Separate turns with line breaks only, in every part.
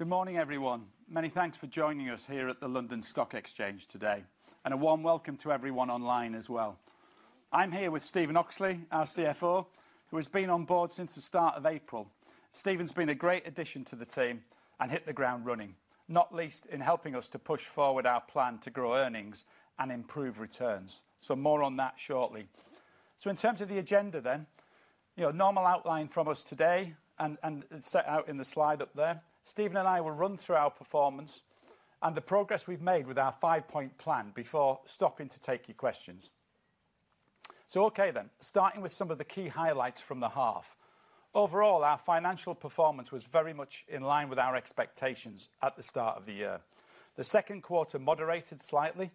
Good morning everyone. Many thanks for joining us here at the London Stock Exchange today and a warm welcome to everyone online as well. I'm here with Stephen Oxley, our CFO, who has been on board since the start of April. Stephen's been a great addition to the team and hit the ground running, not least in helping us to push forward our plan to grow earnings and improve returns. More on that shortly. In terms of the agenda, the normal outline from us today is set out in the slide up there. Stephen and I will run through our performance and the progress we've made with our five-point plan before stopping to take your questions. Starting with some of the key highlights from the half, overall, our financial performance was very much in line with our expectations at the start of the year. The second quarter moderated slightly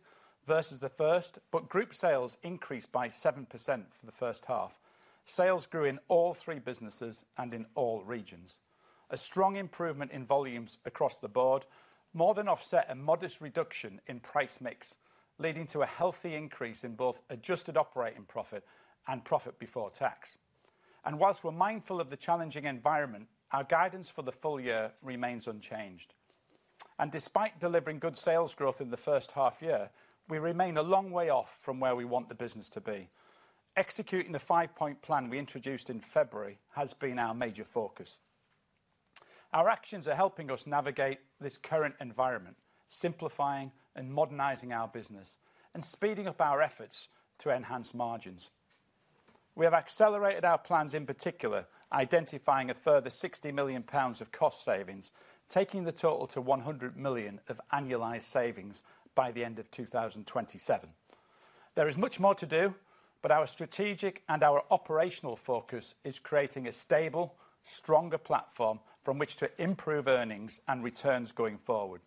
versus the first, but group sales increased by 7% in the first half. Sales grew in all three businesses and in all regions. A strong improvement in volumes across the board more than offset a modest reduction in price mix, leading to a healthy increase in both adjusted operating profit and profit before tax. Whilst we're mindful of the challenging environment, our guidance for the full year remains unchanged. Despite delivering good sales growth in the first half year, we remain a long way off from where we want the business to be. Executing the five-point plan we introduced in February has been our major focus. Our actions are helping us navigate this current environment, simplifying and modernizing our business and speeding up our efforts to enhance margins. We have accelerated our plans, in particular identifying a further 60 million pounds of cost savings, taking the total to 100 million of annualized savings by the end of 2027. There is much more to do, but our strategic and operational focus is creating a stable, stronger platform from which to improve earnings and returns going forward.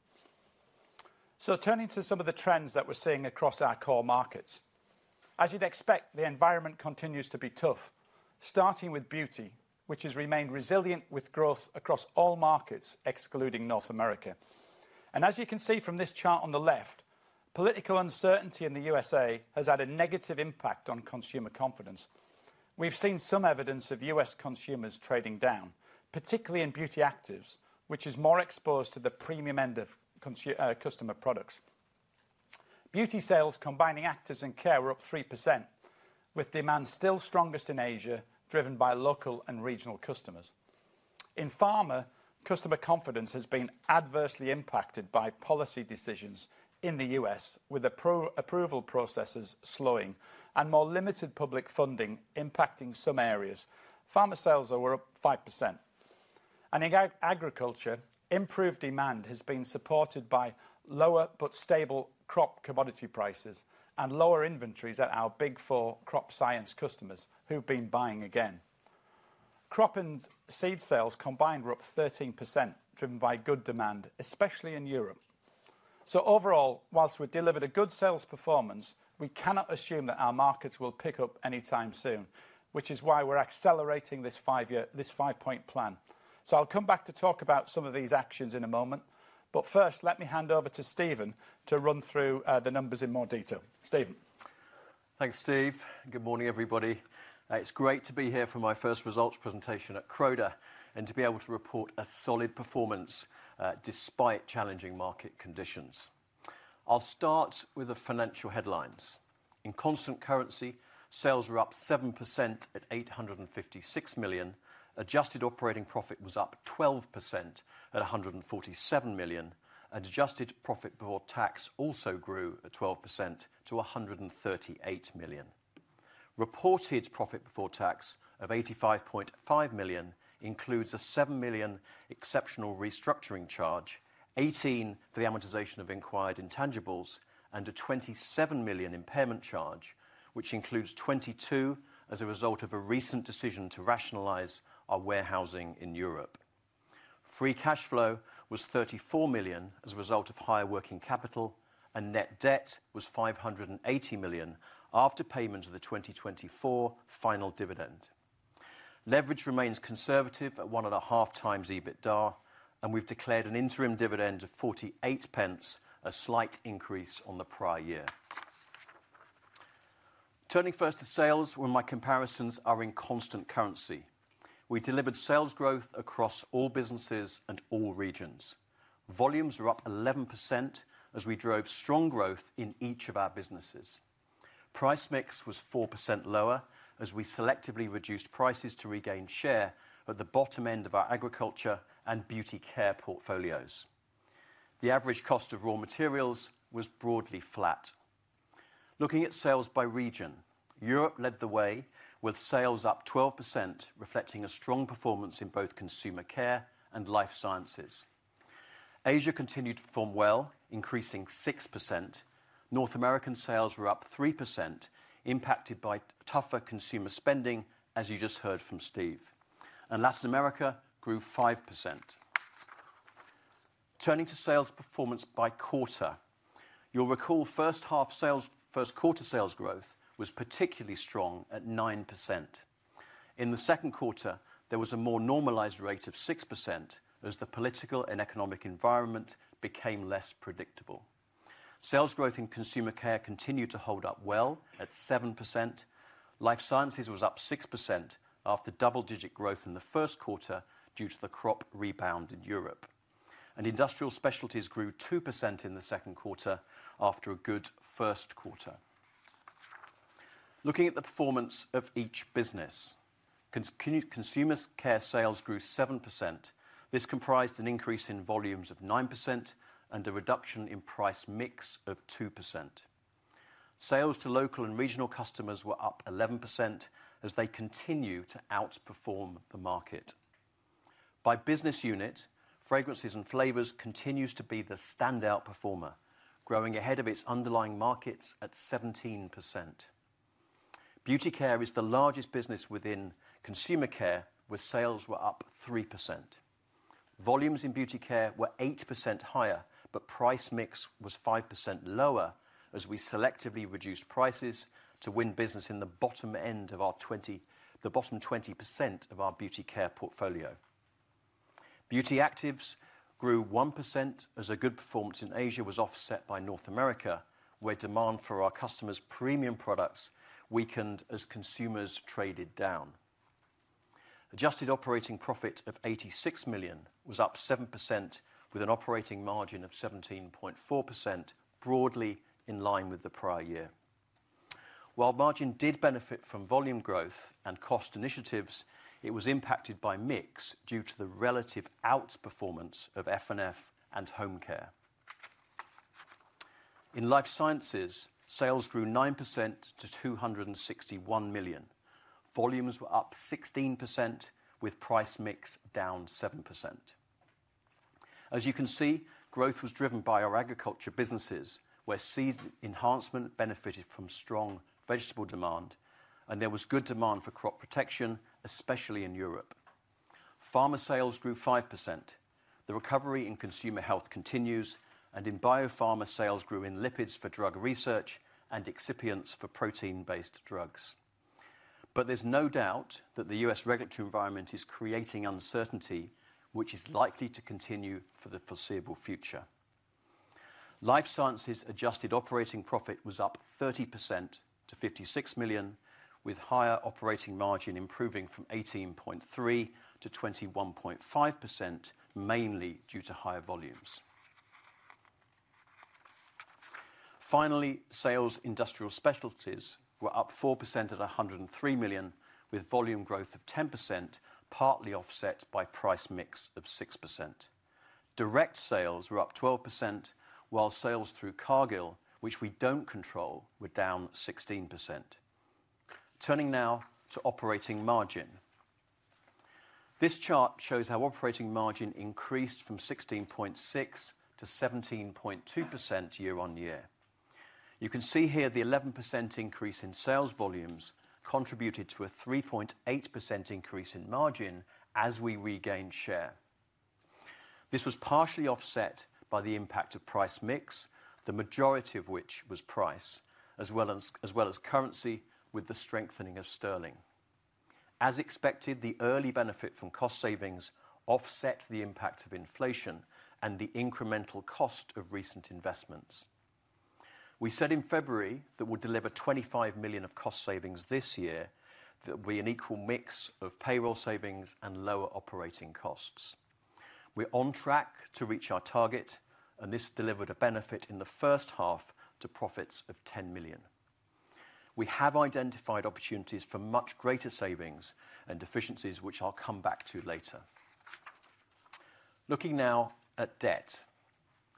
Turning to some of the trends that we're seeing across our core markets, as you'd expect, the environment continues to be tough, starting with beauty, which has remained resilient with growth across all markets, excluding North America. As you can see from this chart on the left, political uncertainty in the U.S. has had a negative impact on consumer confidence. We've seen some evidence of U.S. consumers trading down, particularly in Beauty Actives, which is more exposed to the premium end of customer products. Beauty sales combining actives and care were up 3% with demand still strongest in Asia, drop driven by local and regional customers. In Pharma, customer confidence has been adversely impacted by policy decisions in the U.S., with approval processes slowing and more limited public funding impacting some areas. Pharma sales were up 5% and in agriculture, improved demand has been supported by lower but stable crop commodity prices and lower inventories. At our big four Crop Science customers who've been buying again, crop and seed sales combined were up 13% driven by good demand, especially in Europe. Overall, whilst we delivered a good sales performance, we cannot assume that our markets will pick up anytime soon, which is why we're accelerating this five-point plan. I'll come back to talk about some of these actions in a moment, but first let me hand over to Stephen to run through the numbers in more detail. Stephen.
Thanks Steve. Good morning everybody. It's great to be here for my first results presentation at Croda and to be able to report a solid performance despite challenging market conditions. I'll start with the financial headlines. In constant currency, sales were up 7% at 856 million. Adjusted operating profit was up 12% at 147 million. Adjusted profit before tax also grew at 12% to 138 million. Reported profit before tax of 85.5 million includes a 7 million exceptional restructuring charge, 18 million for the amortization of acquired intangibles, and a 27 million impairment charge which includes 22 million as a result of a recent decision to rationalize our warehousing in Europe. Free cash flow was 34 million as a result of higher working capital and net debt was 580 million after payment of the 2024 final dividend. Leverage remains conservative at 1.5 times EBITDA and we've declared an interim dividend of 0.48, a slight increase on the prior year. Turning first to sales, when my comparisons are in constant currency, we delivered sales growth across all businesses and all regions. Volumes were up 11% as we drove strong growth in each of our businesses. Price mix was 4% lower as we selectively reduced prices to regain share at the bottom end of our agriculture and beauty care portfolios. The average cost of raw materials was broadly flat. Looking at sales by region, Europe led the way with sales up 12% reflecting a strong performance in both Consumer Care and Life Sciences. Asia continued to perform well, increasing 6%. North American sales were up 3% impacted by tougher consumer spending as you just heard from Steve. Latin America grew 5%. Turning to sales performance by quarter, you'll recall first half sales, first quarter sales growth was particularly strong at 9%. In the second quarter there was a more normalized rate of 6% as the political and economic environment became less predictable. Sales growth in Consumer Care continued to hold up well at 7%. Life Sciences was up 6% after double-digit growth in the first quarter due to the crop rebound. In Europe, Industrial Specialties grew 2% in the second quarter after a good first quarter. Looking at the performance of each business, Consumer Care sales grew 7%. This comprised an increase in volumes of 9% and a reduction in price mix of 2%. Sales to local and regional customers were up 11% as they continue to output. The market by business unit, Fragrances and Flavours, continues to be the standout performer, growing ahead of its underlying markets at 17%. Beauty Care is the largest business within Consumer Care, where sales were up 3%. Volumes in Beauty Care were 8% higher, but price mix was 5% lower as we selectively reduced prices to win business in the bottom end of our 20. The bottom 20% of our Beauty Care portfolio, Beauty Actives, grew 1% as a good performance in Asia was offset by North America, where demand for our customers' premium products weakened as consumers traded down. Adjusted operating profit of 86 million was up 7%, with an operating margin of 17.4%, broadly in line with the prior year. While margin did benefit from volume growth and cost initiatives, it was impacted by mix due to the relative outperformance of Fragrances and Flavours and Home Care. In Life Sciences, sales grew 9% to 261 million. Volumes were up 16%, with price mix down 7%. As you can see, growth was driven by our agriculture businesses, where Seed Enhancement benefited from strong vegetable demand and there was good demand for Crop Protection, especially in Europe. Pharma sales grew 5%. The recovery in consumer health continues, and in biopharma, sales grew in lipids for drug research and excipients for protein-based drugs. There is no doubt that the U.S. regulatory environment is creating uncertainty, which is likely to continue for the foreseeable future. Life Sciences' adjusted operating profit was up 30% to 56 million, with higher operating margin improving from 18.3% to 21.5%, mainly due to higher volumes. Finally, sales in Industrial Specialties were up 4% at 103 million, with volume growth of 10% partly offset by price mix of 6%. Direct sales were up 12%, while sales through Cargill, which we don't control, were down 16%. Turning now to operating margin, this chart shows how operating margin increased from 16.6% to 17.2% year on year. You can see here the 11% increase in sales volumes contributed to a 3.8% increase in margin as we regained share. This was partially offset by the impact of price mix, the majority of which was price, as well as currency with the strengthening of sterling. As expected, the early benefit from cost savings offset the impact of inflation and the incremental cost of recent investments. We said in February that we'll deliver 25 million of cost savings this year, that will be an equal mix of payroll. Savings and lower operating costs. We're on track to reach our target, and this delivered a benefit in the first half to profits of 10 million. We have identified opportunities for much greater. Savings and efficiencies which I'll come back to later. Looking now at debt,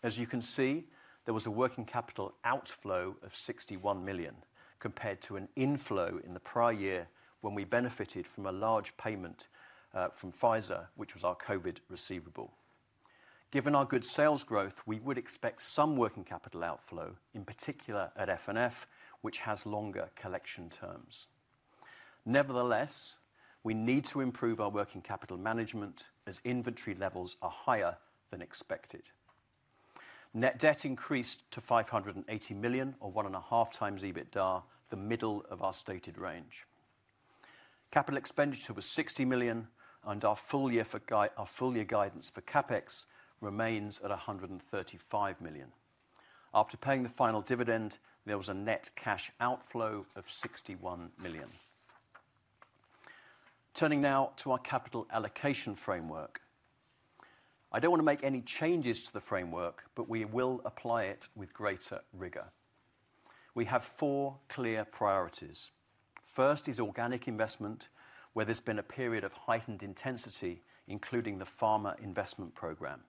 as you can see there was a working capital outflow of 61 million compared to an inflow in the prior year when we benefited from a large payment from Pfizer. Was our Covid receivable. Given our good sales growth, we would expect some working capital outflow, in particular at FNF, which has longer collection terms. Nevertheless, we need to improve our working capital management as inventory levels are higher than expected. Net debt increased to 580 million or 1.5 times EBITDA, the middle of our stated range. Capital expenditure was 60 million and our full year guidance for CapEx remains at 135 million. After paying the final dividend, there was a net cash outflow of 61 million. Turning now to our capital allocation framework, I don't want to make any changes to the framework, but we will apply it with greater rigor. We have four clear priorities. First is organic investment, where there's been a period of heightened intensity including the pharma investment program.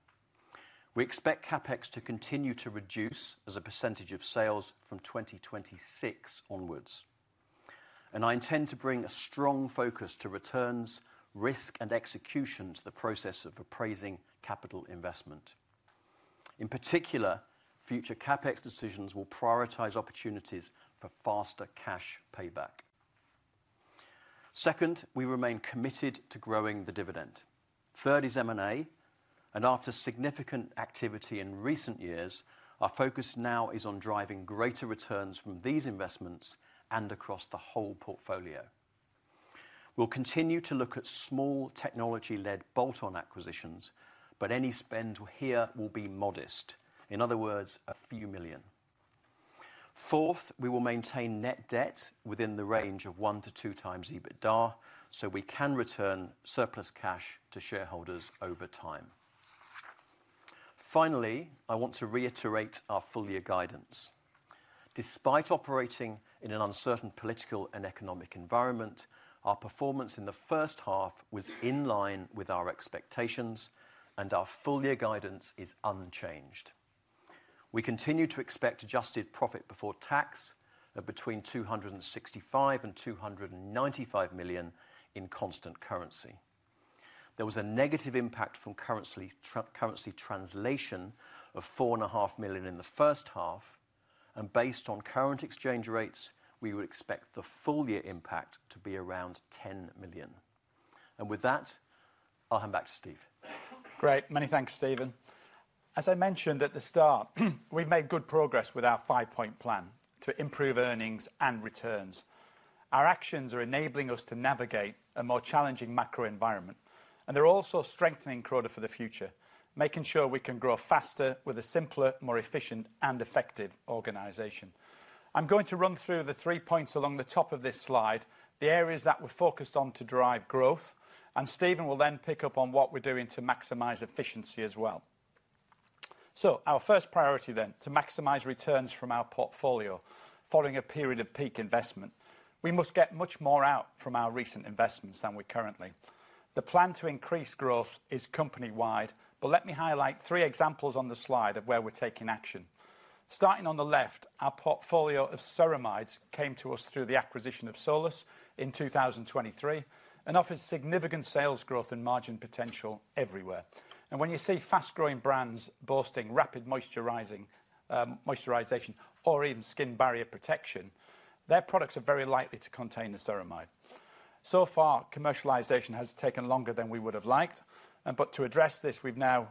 We expect CapEx to continue to reduce as a percentage of sales from 2026 onwards and I intend to bring a strong focus to returns, risk, and execution to the process of appraising capital investment. In particular, future CapEx decisions will prioritize opportunities for faster cash payback. Second, we remain committed to growing the dividend. Third is M&A and after significant activity in recent years, our focus now is on driving greater returns from these investments and across the whole portfolio. We'll continue to look at small technology-led bolt-on acquisitions, but any spend here will be modest, in other words, a few million. Fourth, we will maintain net debt within the range of 1-2 times EBITDA so we can return surplus cash to shareholders over time. Finally, I want to reiterate our full year guidance. Despite operating in an uncertain political and economic environment, our performance in the first. Half was in line with our expectations. Our full year guidance is unchanged. We continue to expect adjusted profit before tax of between 265 million and 295 million in constant currency. There was a negative impact from currency translation of 4.5 million in the first half, and based on current exchange rates we would expect the. Full year impact to be around 10 million. With that, I'll hand back to Steve.
Great. Many thanks, Stephen. As I mentioned at the start, we've made good progress with our five-point plan to improve earnings and returns. Our actions are enabling us to navigate a more challenging macro environment, and they're also strengthening Croda International for the future, making sure we can grow faster with a simpler, more efficient, and effective organization. I'm going to run through the three points along the top of this slide, the areas that we're focused on to drive growth, and Stephen will then pick up on what we're doing to maximize efficiency as well. Our first priority is to maximize returns from our portfolio following a period of peak investment. We must get much more out from our recent investments than we currently. The plan to increase growth is company-wide, but let me highlight three examples on the slide of where we're taking action. Starting on the left, our portfolio of ceramides came to us through the acquisition of Solus in 2023 and offers significant sales growth and margin potential everywhere. When you see fast-growing brands boasting rapid moisturization or even skin barrier protection, their products are very likely to contain the ceramide. So far, commercialization has taken longer than we would have liked. To address this, we've now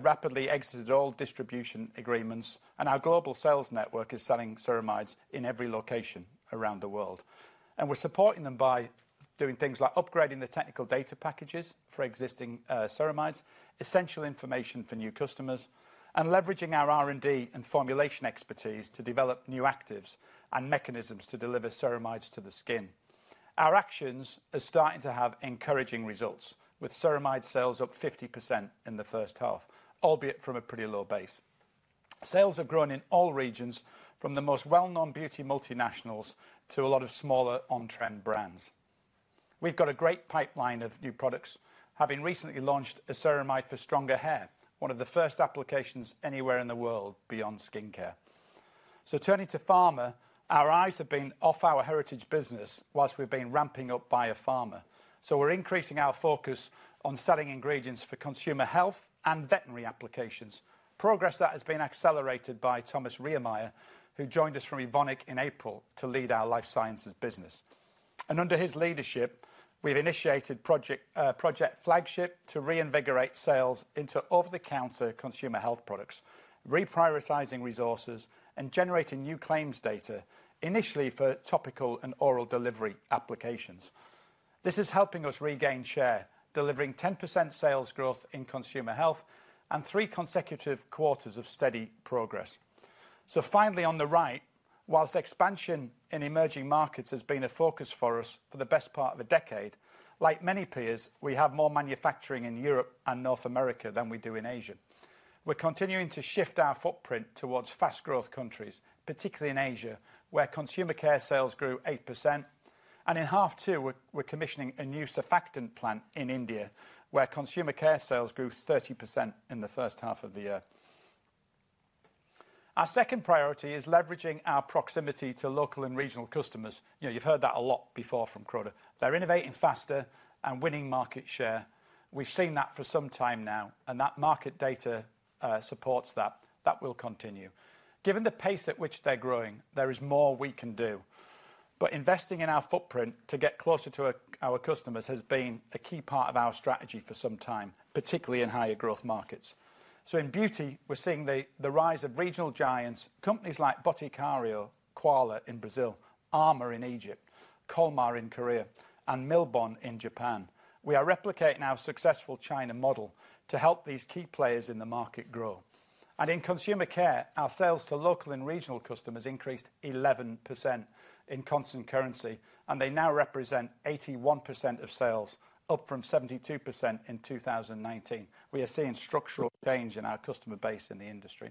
rapidly exited all distribution agreements, and our global sales network is selling ceramides in every location around the world. We're supporting them by doing things like upgrading the technical data packages for existing ceramides, essential information for new customers, and leveraging our R&D and formulation expertise to develop new actives and mechanisms to deliver ceramides to the skin. Our actions are starting to have encouraging results, with ceramide sales up 50% in the first half, albeit from a pretty low base. Sales have grown in all regions, from the most well-known beauty multinationals to a lot of smaller on-trend brands. We've got a great pipeline of new products, having recently launched a ceramide for stronger hair, one of the first applications anywhere in the world beyond skin care. Turning to pharma, our eyes have been off our heritage business whilst we've been ramping up biopharma. We're increasing our focus on selling ingredients for consumer health and veterinary applications. Progress that has been accelerated by Thomas Riermeier, who joined us from Evonik in April to lead our Life Sciences business, and under his leadership we've initiated Project Flagship to reinvigorate sales into over-the-counter consumer health products. Reprioritizing resources and generating new claims data, initially for topical and oral delivery applications, is helping us regain share, delivering 10% sales growth in consumer health and three consecutive quarters of steady progress. Finally, on the right, whilst expansion in emerging markets has been a focus for us for the best part of a decade, like many peers, we have more manufacturing in Europe and North America than we do in Asia. We're continuing to shift our footprint towards fast-growth countries, particularly in Asia, where Consumer Care sales grew 8%, and in half two, we're commissioning a new surfactant plant in India where Consumer Care sales grew 30% in the first half of the year. Our second priority is leveraging our proximity to local and regional customers. You've heard that a lot before from Croda. They're innovating faster and winning market share. We've seen that for some time now, and that market data supports that that will continue. Given the pace at which they're growing, there is more we can do. Investing in our footprint to get closer to our customers has been a key part of our strategy for some time, particularly in higher-growth markets. In Beauty, we're seeing the rise of regional giants. Companies like Boticario, Koala in Brazil, Armour in Egypt, Colmar in Korea, and Milbon in Japan. We are replicating our successful China model to help these key players in the market grow. In Consumer Care, our sales to local and regional customers increased 11% in constant currency, and they now represent 81% of sales, up from 72% in 2019. We are seeing structural change in our customer base in the industry.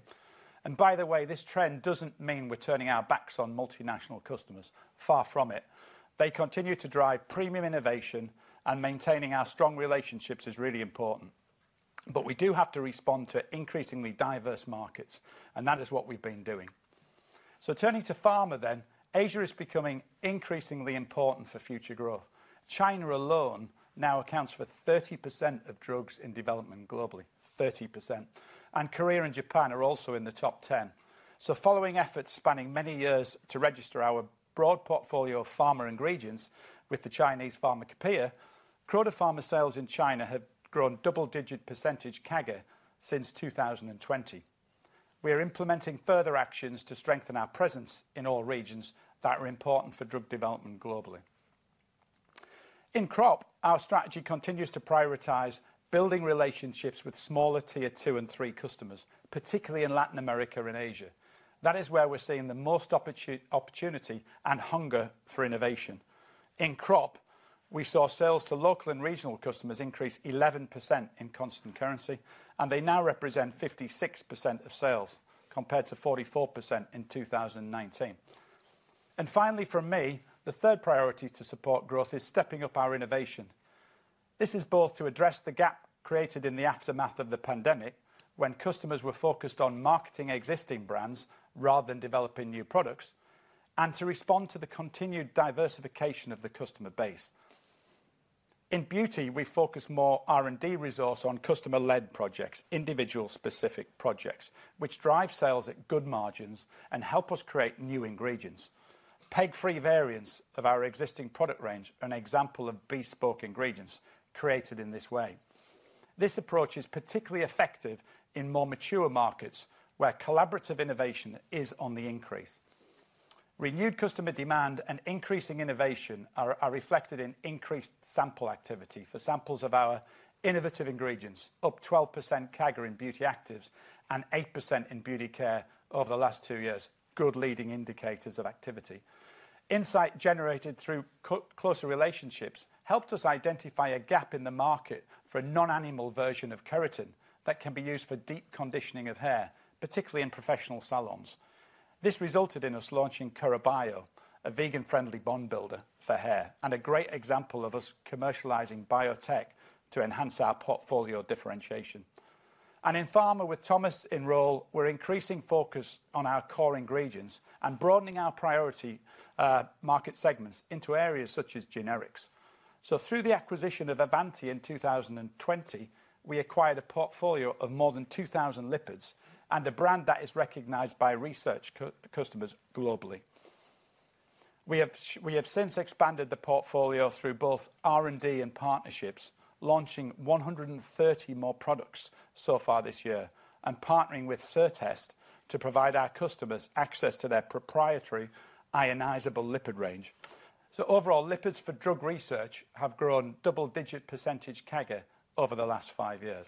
By the way, this trend doesn't mean we're turning our backs on multinational customers. Far from it. They continue to drive premium innovation, and maintaining our strong relationships is really important. We do have to respond to increasingly diverse markets, and that is what we've been doing. Turning to pharma, then, Asia is becoming increasingly important for future growth. China alone now accounts for 30% of drugs in development globally. 30%. Korea and Japan are also in the top 10. Following efforts spanning many years to register our broad portfolio of pharma ingredients with the Chinese pharmacopeia, Croda Pharma sales in China have grown double-digit percentage CAGR since 2020. We are implementing further actions to strengthen our presence in all regions that are important for drug development globally. In Crop Protection, our strategy continues to prioritize building relationships with smaller tier 2 and 3 customers, particularly in Latin America and Asia. That is where we're seeing the most opportunity and hunger for innovation. In Crop Protection, we saw sales to local and regional customers increase 11% in constant currency, and they now represent 56% of sales compared to 44% in 2019. Finally, the third priority to support growth is stepping up our innovation. This is both to address the gap created in the aftermath of the pandemic when customers were focused on marketing existing brands rather than developing new products, and to respond to the continued diversification of the customer base. In Beauty, we focus more R&D resource on customer-led projects, individual specific projects which drive sales at good margins and help us create new ingredients. PEG-free variants of our existing product range are an example of bespoke ingredients created in this way. This approach is particularly effective in more mature markets where collaborative innovation is on the increase. Renewed customer demand and increasing innovation are reflected in increased sample activity for samples of our innovative ingredients, up 12% CAGR in Beauty Actives and 8% in Beauty Care over the last two years. Good leading indicators of activity and insight generated through closer relationships helped us identify a gap in the market for a non-animal version of keratin that can be used for deep conditioning of hair, particularly in professional salons. This resulted in us launching Kurabayo, a vegan-friendly bond builder for hair and a great example of us commercializing biotech to enhance our portfolio differentiation. In Pharma, with Thomas Enroll, we're increasing focus on our core ingredients and broadening our priority market segments into areas such as generics. Through the acquisition of Avanti in 2020, we acquired a portfolio of more than 2,000 lipids and a brand that is recognized by research customers globally. We have since expanded the portfolio through both R&D and partnerships, launching 130 more products so far this year and partnering with Certest to provide our customers access to their proprietary ionizable lipid range. Overall, lipids for drug research have grown double-digit percentage CAGR over the last five years.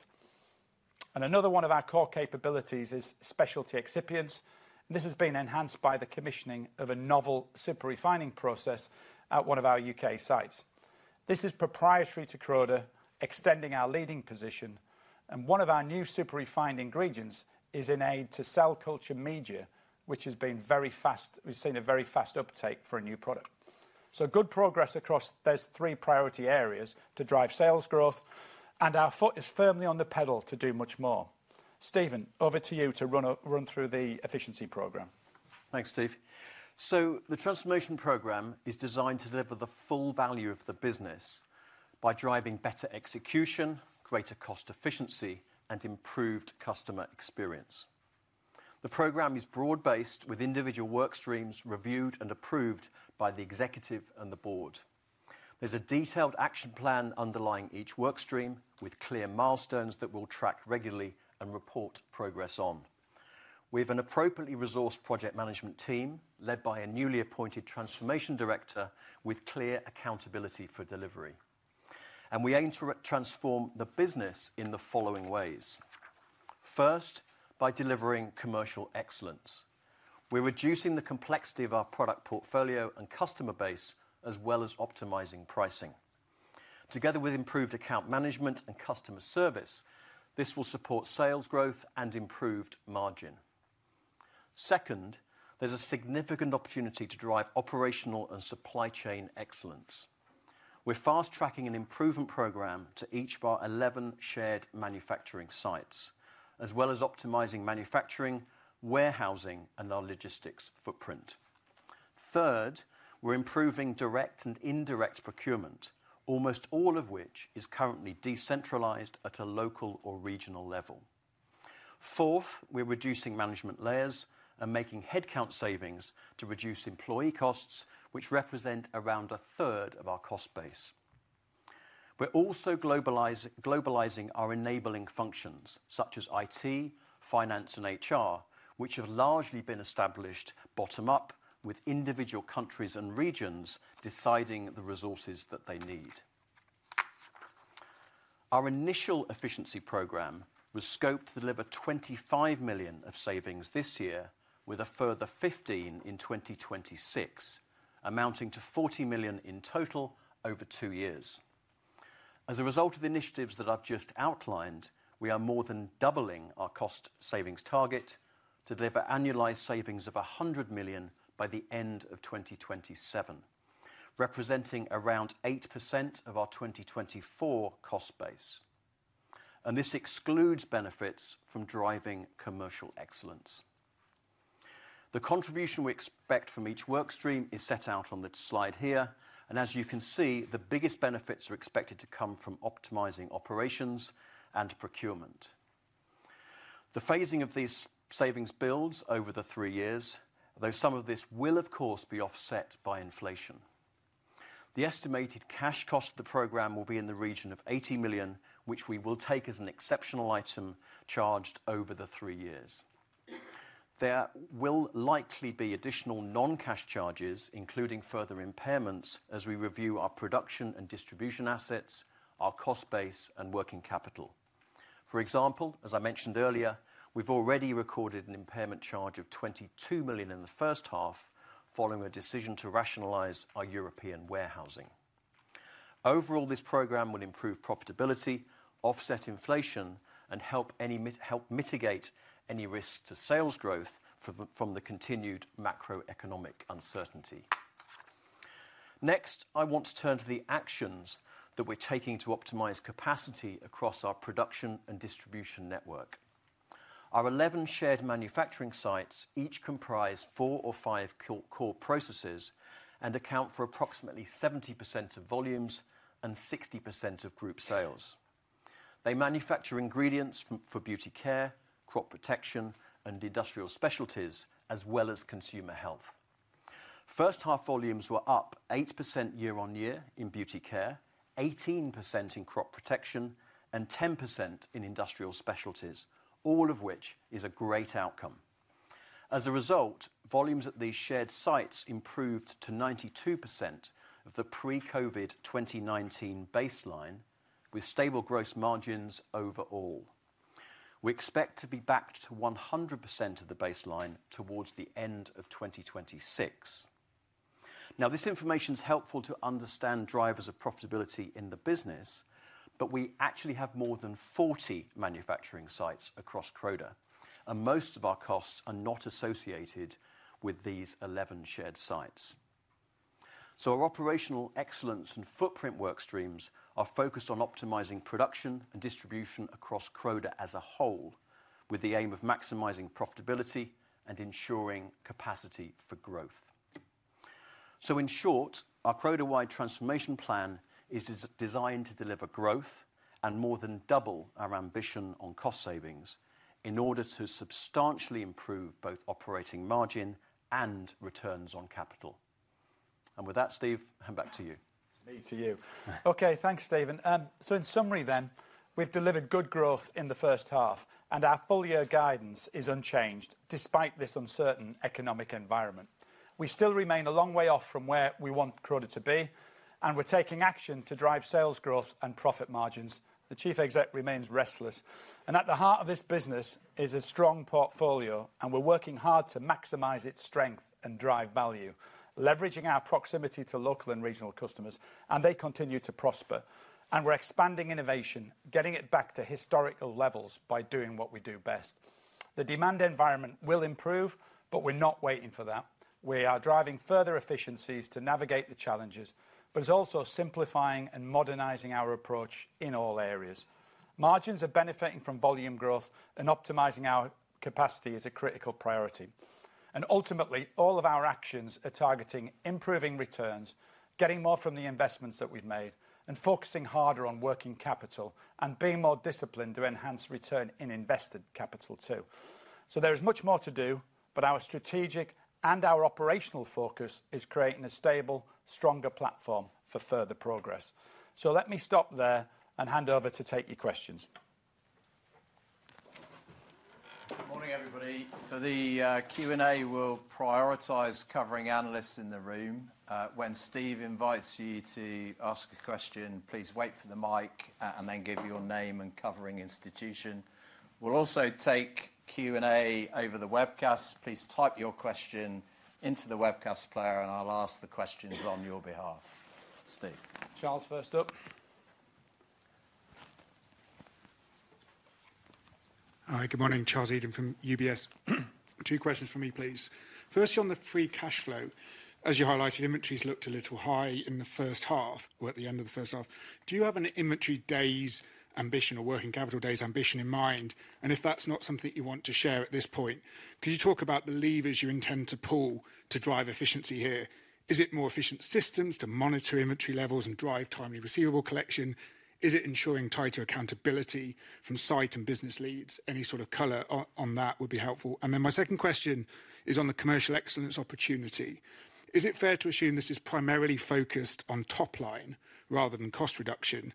Another one of our core capabilities is specialty excipients. This has been enhanced by the commissioning of a novel super refining process at one of our U.K. sites. This is proprietary to Croda, extending our leading position. One of our new super-refined ingredients is an aid to cell culture media, which has been very fast. We've seen a very fast uptake for a new product, so good progress across those three priority areas to drive sales growth and our foot is firmly on the pedal to do much more. Stephen, over to you to run through the Efficiency program.
Thanks, Steve. The transformation program is designed to. Deliver the full value of the business. By driving better execution, greater cost efficiency. Improved customer experience. The program is broad based with individual work streams reviewed and approved by the Executive and the Board. There's a detailed action plan underlying each work stream with clear milestones that we'll track regularly and report progress on. We have an appropriately resourced project management team led by a newly appointed Transformation Director with clear accountability for delivery. We aim to transform the business in the following ways. First, by delivering commercial excellence, we're reducing the complexity of our product portfolio and customer base as well as optimizing pricing. Together with improved account management and customer service, this will support sales growth and improved margin. Second, there's a significant opportunity to drive operational and supply chain excellence. We're fast tracking an improvement program to each of our 11 shared manufacturing sites, as well as optimizing manufacturing, warehousing, and. Our logistics footprint. Third, we're improving direct and indirect procurement, almost all of which is currently decentralized at a local or regional level. Fourth, we're reducing management layers and making headcount savings to reduce employee costs, which represent around a third of our cost base. We're also globalizing our enabling functions such as IT, finance, and HR, which have largely been established bottom up, with individual countries and regions deciding the resources that they need. Our initial efficiency program was scoped to deliver 25 million of savings this year, with a further 15 million in 2026, amounting to 40 million in total over two years. As a result of the initiatives that I've just outlined, we are more than doubling our cost savings target to deliver annualized savings of 100 million by the end of 2027, representing around 8% of our 2024 cost base. This excludes benefits from driving commercial excellence. The contribution we expect from each work stream is set out on the slide here, and as you can see, the biggest benefits are expected to come from optimizing operations and procurement. The phasing of these savings builds over the three years, though some of this will of course be offset by inflation. The estimated cash cost of the program will be in the region of 80 million, which we will take as an exceptional item charged over the three years. There will likely be additional non-cash charges, including further impairments as we review our production and distribution assets, our cost base, and working capital. For example, as I mentioned earlier, we've already recorded an impairment charge of 22 million in the first half following a. Decision to rationalize our European warehousing. Overall, this program will improve profitability, offset inflation, and help mitigate any risk to sales growth from the continued macroeconomic uncertainty. Next, I want to turn to the actions that we're taking to optimize capacity. Across our production and distribution network. Our 11 shared manufacturing sites each comprise four or five core processes and account for approximately 70% of volumes and 60% of group sales. They manufacture ingredients for Beauty Care, Crop Protection, and Industrial Specialties as well as Consumer Health. First half volumes were up 8% year on year in Beauty Care, 18% in Crop Protection, and 10% in Industrial Specialties, all of which is a great outcome. As a result, volumes at these shared sites improved to 92% of the pre-COVID 2019 baseline with stable gross margins overall. We expect to be back to 100% of the baseline towards the end of 2026. This information is helpful to understand drivers of profitability in the business. We actually have more than 40 manufacturing sites across Croda and most of our costs are not associated with these 11 shared sites. Our operational excellence and footprint work streams are focused on optimizing production and distribution across Croda as a whole with the aim of maximizing profitability and ensuring capacity for growth. In short, our Croda-wide transformation plan is designed to deliver growth and more than double our ambition on cost savings in order to substantially improve both operating margin and returns on capital. With that, Steve, hand back to you.
Okay, thanks, Stephen. In summary then, we've delivered good growth in the first half and our full year guidance is unchanged. Despite this uncertain economic environment, we still remain a long way off from where we want Croda to be and we're taking action to drive sales growth and profit margins. The Chief Executive remains restless and at the heart of this business is a strong portfolio and we're working hard to maximize its strength and drive value, leveraging our proximity to local and regional customers. They continue to prosper and we're expanding innovation, getting it back to historical levels by doing what we do best. The demand environment will improve, but we're not waiting for that. We are driving further efficiencies to navigate the challenges, and are also simplifying and modernizing our approach in all areas. Margins are benefiting from volume growth and optimizing our capacity is a critical priority. Ultimately, all of our actions are targeting improving returns, getting more from the investments that we've made and focusing harder on working capital and being more disciplined to enhance return on invested capital too. There is much more to do, but our strategic and operational focus is creating a stable, stronger platform for further progress. Let me stop there and hand over to take your questions.
Good morning everybody. For the Q&A, we'll prioritize covering analysts in the room. When Steve invites you to ask a question, please wait for the mic and then give your name and covering institution. We'll also take Q&A over the webcast. Please type your question into the webcast player and I'll ask the question on your behalf. Steve.
Charles, first up.
Hi, good morning. Charles Eden from UBS. Two questions for me please. Firstly, on the free cash flow, as you highlighted, inventories looked a little high in the first half or at the end of the first half. Do you have an inventory days ambition or working capital days ambition in mind? If that's not something you want to share at this point, could you talk about the levers you intend to pull to drive efficiency here? Is it more efficient systems to monitor inventory levels and drive timely receivable collection? Is it ensuring tighter accountability from site and business leads? Any sort of color on that would be helpful. My second question is on the commercial excellence opportunity. Is it fair to assume this is primarily focused on top line rather than cost reduction?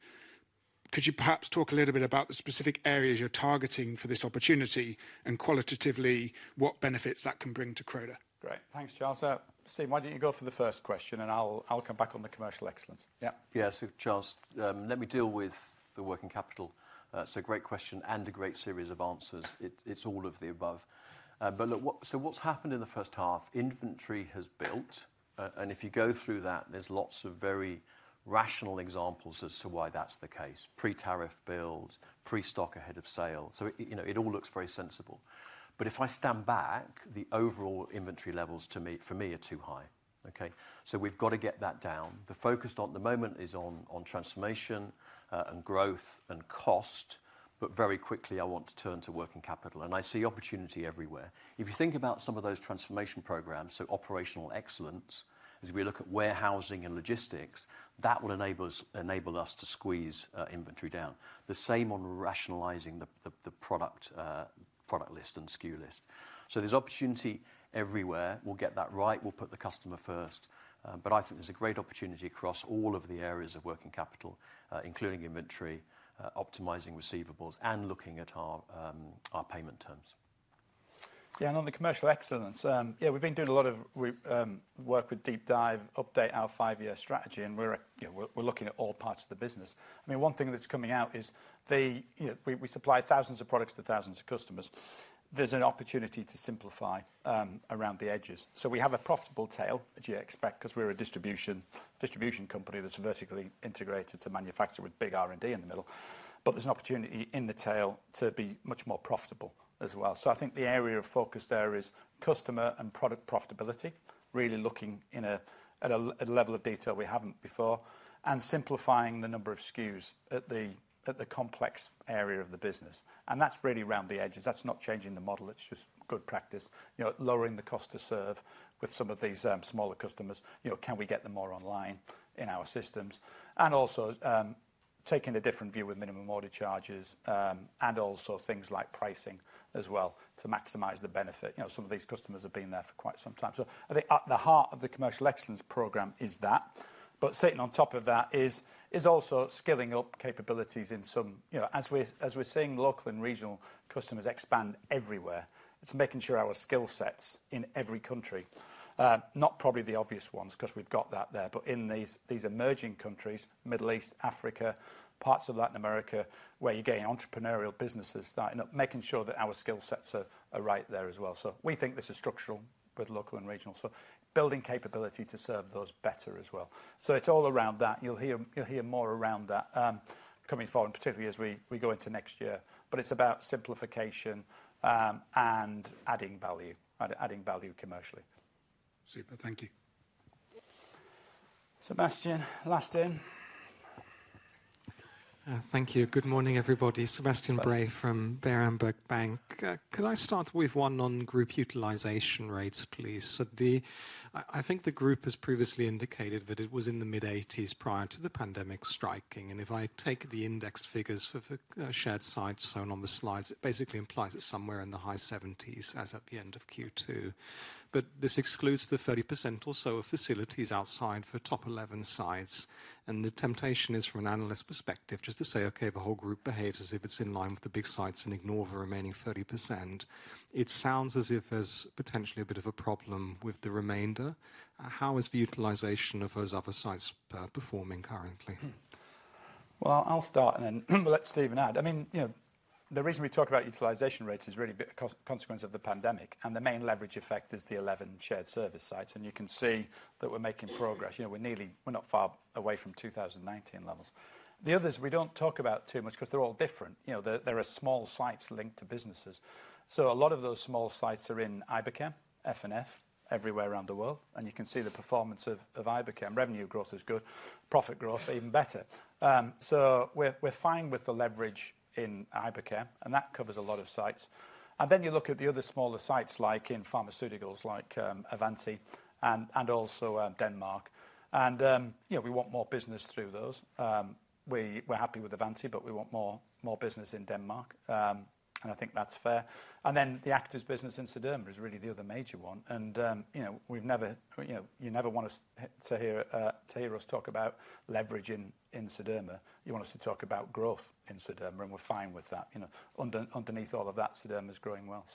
Could you perhaps talk a little bit about the specific areas you're targeting for this opportunity and qualitatively what benefits that can bring to Croda International?
Great, thanks, Charles. Steve, why don't you go for the first question and I'll come back on the commercial excellence.
Yeah, yeah. Charles, let me deal with the working capital. It's a great question and a great series of answers. It's all of the above. What's happened in the first half? Inventory has built, and if you go through that, there's lots of very rational examples as to why that's the case. Pre-tariff build, pre-stock ahead of sale. It all looks very sensible. If I stand back, the overall. Inventory levels to me are too high. Okay, we've got to get that down. The focus at the moment is on. Transformation and growth and cost. Very quickly, I want to turn to working capital and I see opportunity everywhere. If you think about some of those transformation programs. Operational excellence as we look at. Warehousing and logistics that will enable us. To squeeze inventory down, the same on rationalizing the product list and SKU list. There is opportunity everywhere. We'll get that right, we'll put the customer first. I think there's a great opportunity. Across all of the areas of working capital, including inventory optimizing, receivables, and looking at our payment terms.
On the commercial excellence, we've been doing a lot of work with Deep Dive update our five year strategy and we're looking at all parts of the business. I mean, one thing that's coming out is that we supply thousands of products to thousands of customers. There's an opportunity to simplify around the edges. We have a profitable tail, as you expect because we're a distribution company that's vertically integrated to manufacture with big R&D in the middle. There's an opportunity in the tail to be much more profitable as well. I think the area of focus there is customer and product profitability, really looking in at a level of detail we haven't before and simplifying the number of SKUs at the complex area of the business. That's really around the edges. That's not changing the model. It's just good practice, lowering the cost to serve with some of these smaller customers. Can we get them more online in our systems and also taking a different view with minimum order charges and also things like pricing as well to maximize the benefit? Some of these customers have been there for quite some time. The heart of the commercial excellence program is that. Sitting on top of that is also scaling up capabilities in some areas. As we're seeing local and regional customers expand everywhere, it's making sure our skill sets in every country, not probably the obvious ones because we've got that there, but in these emerging countries, Middle East, Africa, parts of Latin America, where you get entrepreneurial businesses starting up, making sure that our skill sets are right there as well. We think this is structural with local and regional, so building capability to serve those better as well. It's all around that. You'll hear more around that coming forward, particularly as we go into next year. It's about simplification and adding value, adding value commercially.
Thank you.
Sebastian, last in.
Thank you. Good morning everybody. Sebastian Bray from Berenberg Bank. Could I start with one on group utilization rates, please? I think the group has previously indicated that it was in the mid-80% prior to the pandemic. Striking. If I take the indexed figures for the shared sites shown on the slides, it basically implies it's somewhere in the high 70% as at the end of Q2. This excludes the 30% or so of facilities outside the top 11 sites. The temptation is, from an analyst perspective, just to say, okay, the whole group behaves as if it's in line with the big sites and ignore the remaining 30%. It sounds as if there's potentially a bit of a problem with the remainder. How is the utilization of those other sites performing currently?
I'll start and then we'll let Stephen add. The reason we talk about utilization rates is really a consequence of the pandemic. The main leverage effect is the 11 shared service sites, and you can see that we're making progress. We're not far away from 2019 levels. The others we don't talk about too much because they're all different. There are small sites linked to businesses, so a lot of those small sites are in Iberchem, FNF, everywhere around the world. You can see the performance of Iberchem. Revenue growth is good, profit growth even better. We're fine with the leverage in Iberchem and that covers a lot of sites. You look at the other smaller sites like in pharmaceuticals, like Avanti and also Denmark. We want more business through those. We're happy with Avanti, but we want more business in Denmark and I think that's fair. The actives business in Sederma is really the other major one. We've never, you know, you never want to hear us talk about leverage in Sederma. You want us to talk about growth in Sederma, and we're fine with that. Underneath all of that, Sederma is growing well.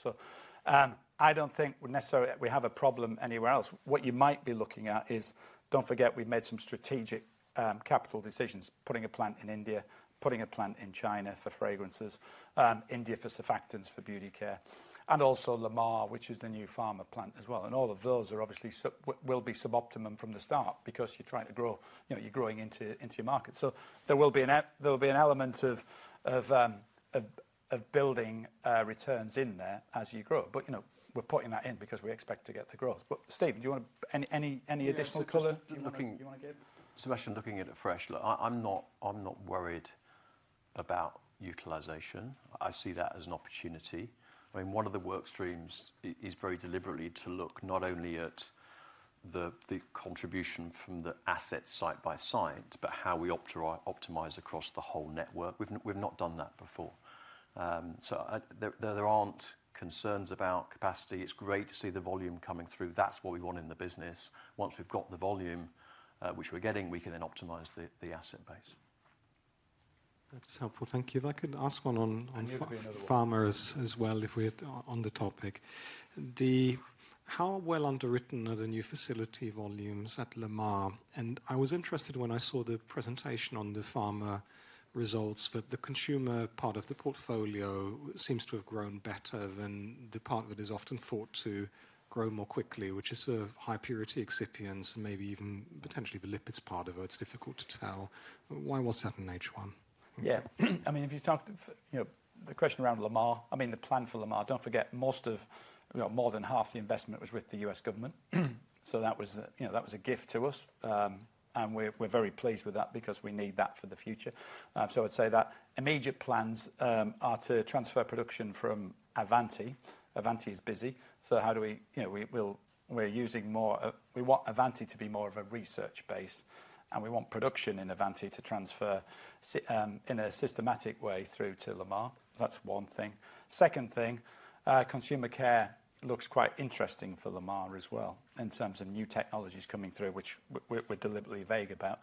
I don't think necessarily we have a problem anywhere else. What you might be looking at is don't forget we've made some strategic capital decisions. Putting a plant in India, putting a plant in China for fragrances, India for surfactants, for Beauty Care, and also Lamar, which is the new pharma plant as well. All of those obviously will be suboptimum from the start because you're trying to grow, you're growing into your market. There will be an element of building returns in there as you grow. We're putting that in because we expect to get the growth. Steve, any additional color you want to give?
Sebastian, looking at it fresh? Look, I'm not worried about utilization. I see that as an opportunity. One of the work streams is very deliberately to look not only at the contribution from the assets site by site, but how we optimize across the whole network. We've not done that before, so there aren't concerns about capacity. It's great to see the volume coming through. That's what we want in the business. Once we've got the volume, which we're getting, we can then optimize the asset base.
That's helpful, thank you. If I could ask one on pharma as well, if we're on the topic, how well underwritten are the new facility volumes at Lamar? I was interested when I saw the presentation on the pharma results that the consumer part of the portfolio seems to have grown better than the part that is often thought to grow more quickly, which is high purity excipients, maybe even potentially the lipids part of it. It's difficult to tell. Why was that in H1?
Yeah, I mean, if you talk, you know, the question around Lamar, I mean, the plan for Lamar, don't forget most of, well, more than half the investment was with the U.S. government. That was a gift to us and we're very pleased with that because we need that for the future. I'd say that immediate plans are to transfer production from Avanti. Avanti is busy. We want Avanti to be more of a research base and we want production in Avanti to transfer in a systematic way through to Lamar. That's one thing. Second thing, Consumer Care looks quite interesting for Lamar as well in terms of new technologies coming through, which we're deliberately vague about.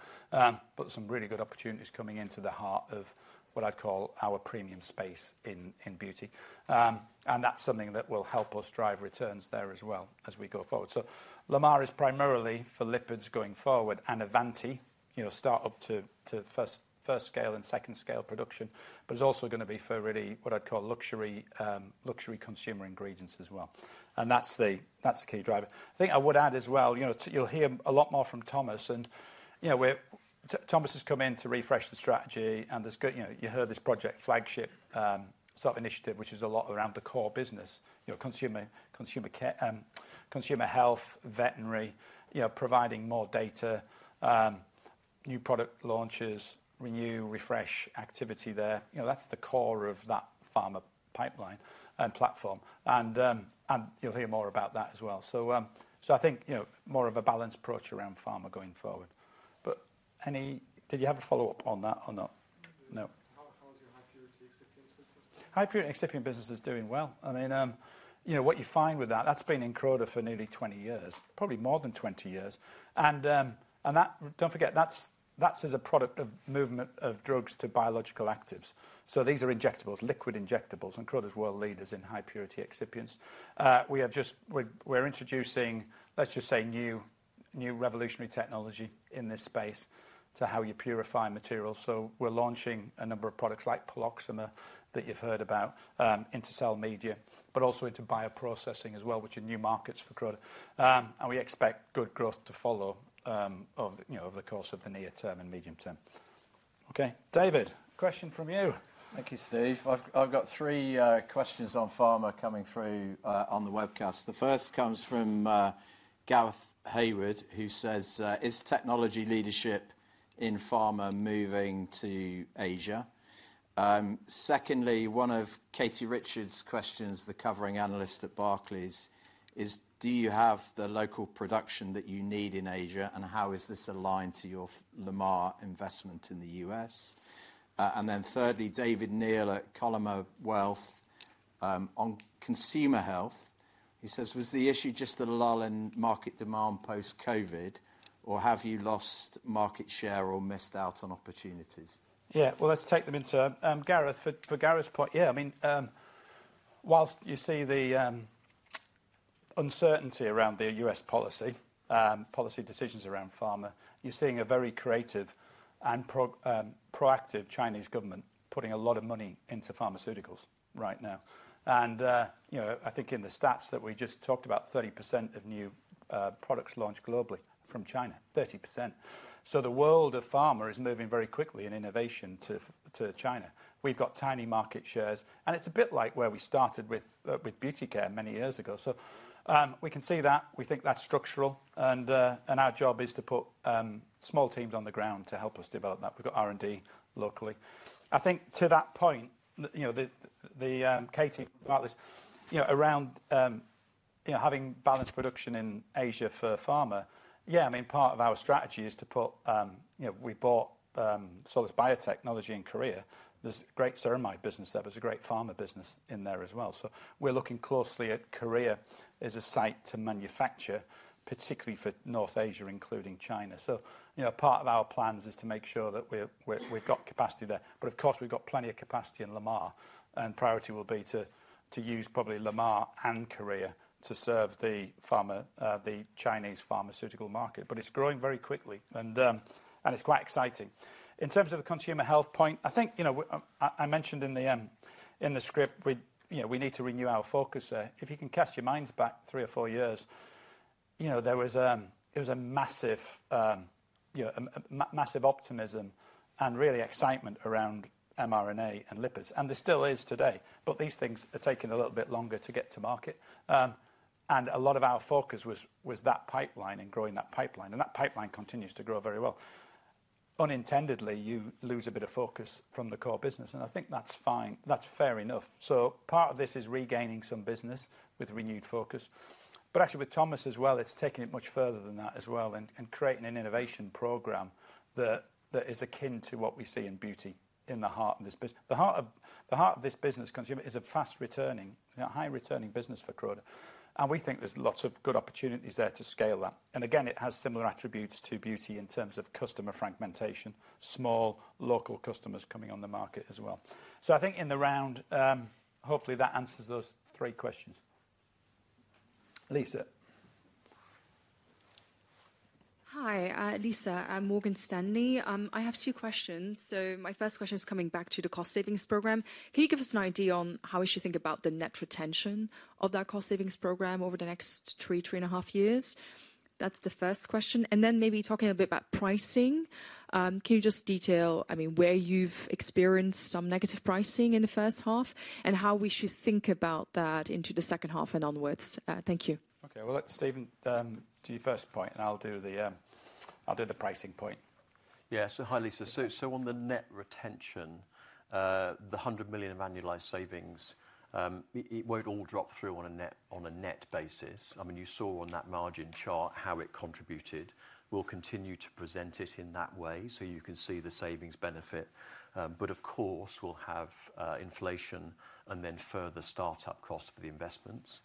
Some really good opportunities are coming into the heart of what I'd call our premium space in beauty. That's something that will help us drive returns there as we go forward. Lamar is primarily for lipids going forward and Avanti, you know, start up to first scale and second scale production. It's also going to be for really what I'd call luxury consumer ingredients as well. That's the key driver I think I would add as well. You'll hear a lot more from Thomas and Thomas has come in to refresh the strategy and you heard this project, flagship initiative, which is a lot around the core business, consumer health, veterinary, providing more data, new product launches, renew, refresh activity there. That's the core of that pharma pipeline and platform. You'll hear more about that as well. I think more of a balanced approach around pharma going forward. Did you have a follow up on that or not?
No.
How is your high purity excipient business?
High purity excipient business is doing well. I mean, you know what you find with that? That's been in Croda for nearly 20 years, probably more than 20 years. Don't forget that's as a product of movement of drugs to biological actives. These are injectables, liquid injectables, and Croda's world leaders in high purity excipients. We're introducing, let's just say, new revolutionary technology in this space to how you purify materials. We're launching a number of products like Proxima that you've heard about into cell media, but also into bioprocessing as well, which are new markets for Croda. We expect good growth to follow over the course of the near term and medium term. Okay, David, question from you.
Thank you, Steve. I've got three questions on pharma coming through on the webcast. The first comes from Gareth Hayward, who says is technology leadership in pharma moving to Asia. Secondly, one of Katie Richards' questions, the covering analyst at Barclays, is do you have the local production that you need in Asia, and how is this aligned to your Lamar investment in the U.S.? Thirdly, David Neal at Columa Wealth on consumer health says was the issue just a lull in market demand post-Covid, or have you lost market share or missed out on opportunities?
Yeah, let's take them into Gareth for Gareth's point. I mean, whilst you see the uncertainty around the U.S. policy, policy decisions around pharma, you're seeing a very creative and proactive Chinese government putting a lot of money into pharmaceuticals right now. I think in the stats that we just talked about, 30% of new products launched globally from China. 30%. The world of pharma is moving very quickly in innovation to China. We've got tiny market shares and it's a bit like where we started with beauty care many years ago. We can see that, we think that's structural and our job is to put small teams on the ground to help us develop that. We've got R&D locally I think to that point. Katie, about this, around having balanced production in Asia for pharma. I mean part of our strategy is to put, you know, we bought Solus biotechnology in Korea. There's great ceramide business. There was a great pharma business in there as well. We're looking closely at Korea as a site to manufacture, particularly for North Asia, including China. Part of our plans is to make sure that we've got capacity there. Of course we've got plenty of capacity in Lamar and priority will be to use probably Lamar and Korea to serve the pharma, the Chinese pharmaceutical market. It's growing very quickly and it's quite exciting. In terms of the consumer health point, I think I mentioned in the script, we need to renew our focus. If you can cast your minds back three or four years, there was a massive optimism and really excitement around mRNA and lipids, and there still is today. These things are taking a little bit longer to get to market. A lot of our focus was that pipeline and growing that pipeline. That pipeline continues to grow very well. Unintendedly you lose a bit of focus from the core business. I think that's fine. That's fair enough. Part of this is regaining some business with renewed focus, but actually with Thomas as well, it's taking it much further than that as well and creating an innovation program that is akin to what we see in beauty in the heart of this business. The heart of this business consumer is a fast returning, high returning business for Croda. We think there's lots of good opportunities there to scale that. It has similar attributes to beauty in terms of customer fragmentation, small local customers coming on the market as well. I think in the round, hopefully that answers those three questions. Lisa.
Hi, Lisa, Morgan Stanley. I have two questions. My first question is coming back to the cost savings program. Can you give us an idea on how we should think about the net retention of that cost savings program over the next three, three and a half years? That's the first question. Maybe talking a bit about pricing, can you just detail where you've experienced some negative pricing in the first half and how we should think about that into the second half and onwards? Thank you.
Okay, Stephen, to your first point. I'll do the pricing point.
Hi, Lisa. On the net retention, the 100 million of annualized savings, it won't all drop through on a net basis. I mean, you saw on that margin chart how it contributed. We'll continue to present it in that way so you can see the savings benefit. Of course, we'll have inflation and then further startup costs for the investments.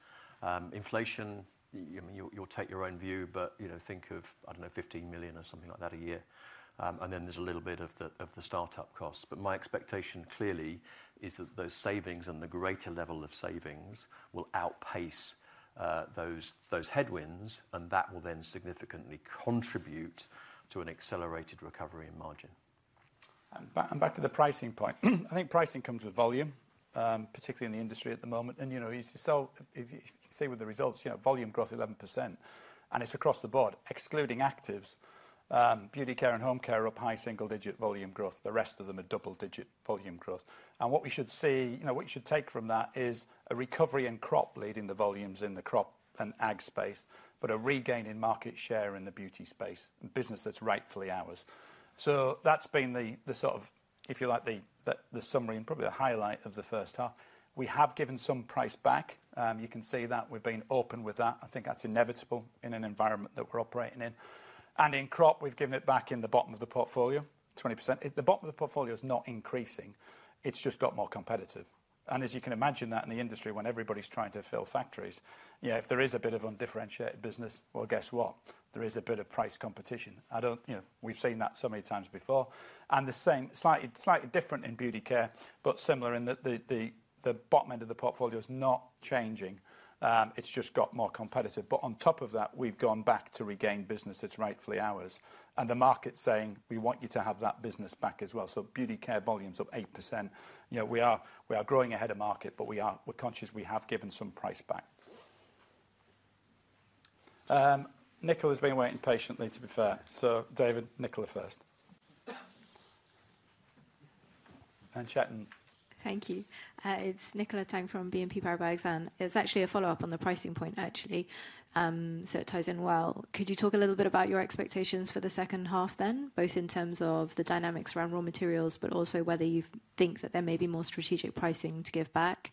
Inflation, you'll take your own view. Think of, I don't know, 15 million or something like that a year and then there's a little bit of the startup costs. My expectation clearly is that those savings and the greater level of savings will outpace those headwinds and that will then significantly contribute to an accelerated recovery in margin.
Back to the pricing point, I think pricing comes with volume, particularly in the industry at the moment. You see with the results, volume growth 11% and it's across the board, excluding actives, Beauty Care and Home Care up high single digit volume growth. The rest of them are double digit volume growth. What we should take from that is a recovery in Crop, leading the volumes in the Crop and ag space, but a regain in market share in the beauty space business that's rightfully ours. That's been the sort of, if you like, the summary and probably a highlight of the first half. We have given some price back. You can see that we've been open with that. I think that's inevitable in an environment that we're operating in. In Crop, we've given it back in the bottom of the portfolio, 20%. The bottom of the portfolio is not increasing, it's just got more competitive and as you can imagine in the industry when everybody's trying to fill factories, if there is a bit of undifferentiated business, guess what, there is a bit of price competition. We've seen that so many times before. The same, slightly different in Beauty Care, but similar in that the bottom end of the portfolio is not changing, it's just got more competitive. On top of that we've gone back to regain business that's rightfully ours and the market saying we want you to have that business back as well. Beauty Care volumes up 8%. We are growing ahead of market but we're conscious we have given some price back. Nicola has been waiting patiently to be fair. David, Nicola first and Chetan, thank you.
It's Nicola Tang from BNP Paribas Exane. It's actually a follow-up on the pricing point, so it ties in. Could you talk a little bit about your expectations for the second half, both in terms of the dynamics around raw materials but also whether you think that there may be more strategic pricing to give back?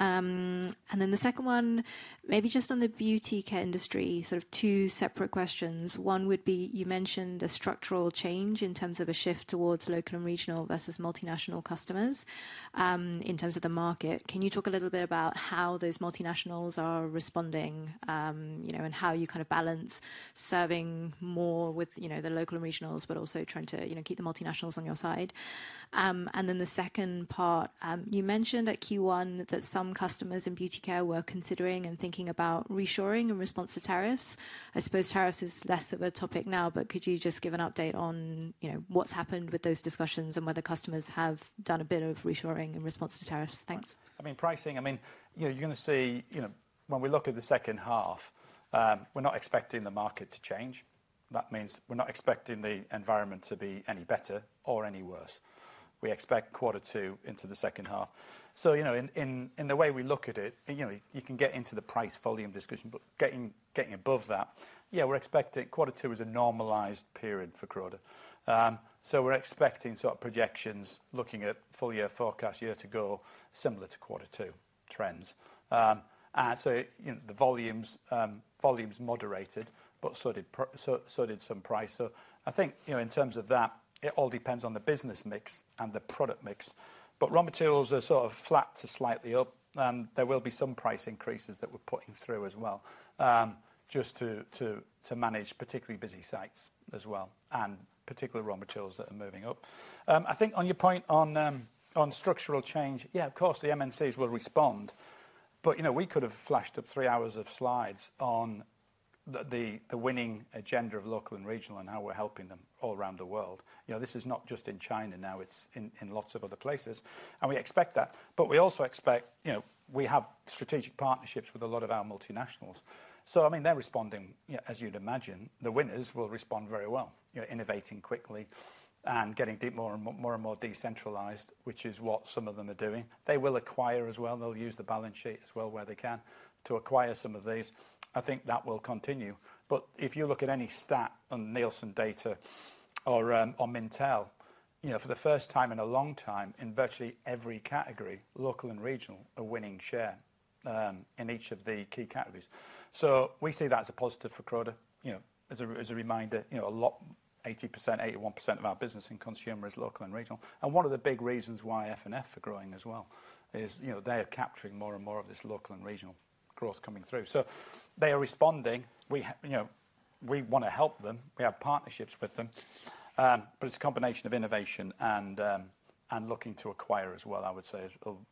The second one, maybe just on the Beauty Care industry, sort of two separate questions. One would be, you mentioned a structural change in terms of a shift towards local and regional versus multinational customers in terms of the market. Can you talk a little bit about how those multinationals are responding, and how you kind of balance serving more with the local and regionals, but also trying to keep the multinationals on your side? The second part, you mentioned at Q1 that some customers in Beauty Care were considering and thinking about reshoring in response to tariffs. I suppose tariffs are less of a topic now, but could you just give an update on what's happened with those discussions and whether customers have done a bit of reshoring in response to tariffs? Thanks.
I mean, pricing, you know, you're going to see, you know, when we look at the second half, we're not expecting the market to change. That means we're not expecting the environment to be any better or any worse. We expect quarter two into the second half. In the way we look at it, you can get into the price volume discussion, but getting above that, we're expecting quarter two is a normalized period for Croda. We're expecting sort of projections, looking at full year, forecast year to go, similar to quarter two trends. The volumes moderated, but so did some price. I think in terms of that, it all depends on the business mix and the product mix. Raw materials are sort of flat to slightly up, and there will be some price increases that we're putting through as well just to manage particularly busy sites as well and particular raw materials that are moving up. I think on your point on structural change, of course the MNCs will respond. We could have flashed up three hours of slides on the winning agenda of local and regional and how we're helping them all around the world. This is not just in China now, it's in lots of other places. We expect that. We also expect we have strategic partnerships with a lot of our multinationals. They're responding as you'd imagine. The winners will respond very well, innovating quickly and getting more and more decentralized, which is what some of them are doing. They will acquire as well. They'll use the balance sheet as well where they can to acquire some of these. I think that will continue. If you look at any stat on Nielsen data or on Mintel, for the first time in a long time, in virtually every category, local and regional are winning share in each of the key categories. We see that as a positive for Croda. As a reminder, a lot, 80%, 81% of our business in consumer is local and regional. One of the big reasons why FNF are growing as well is they are capturing more and more of this local and regional growth coming through. They are responding. We want to help them, we have partnerships with them. It's a combination of innovation and looking to acquire as well I would say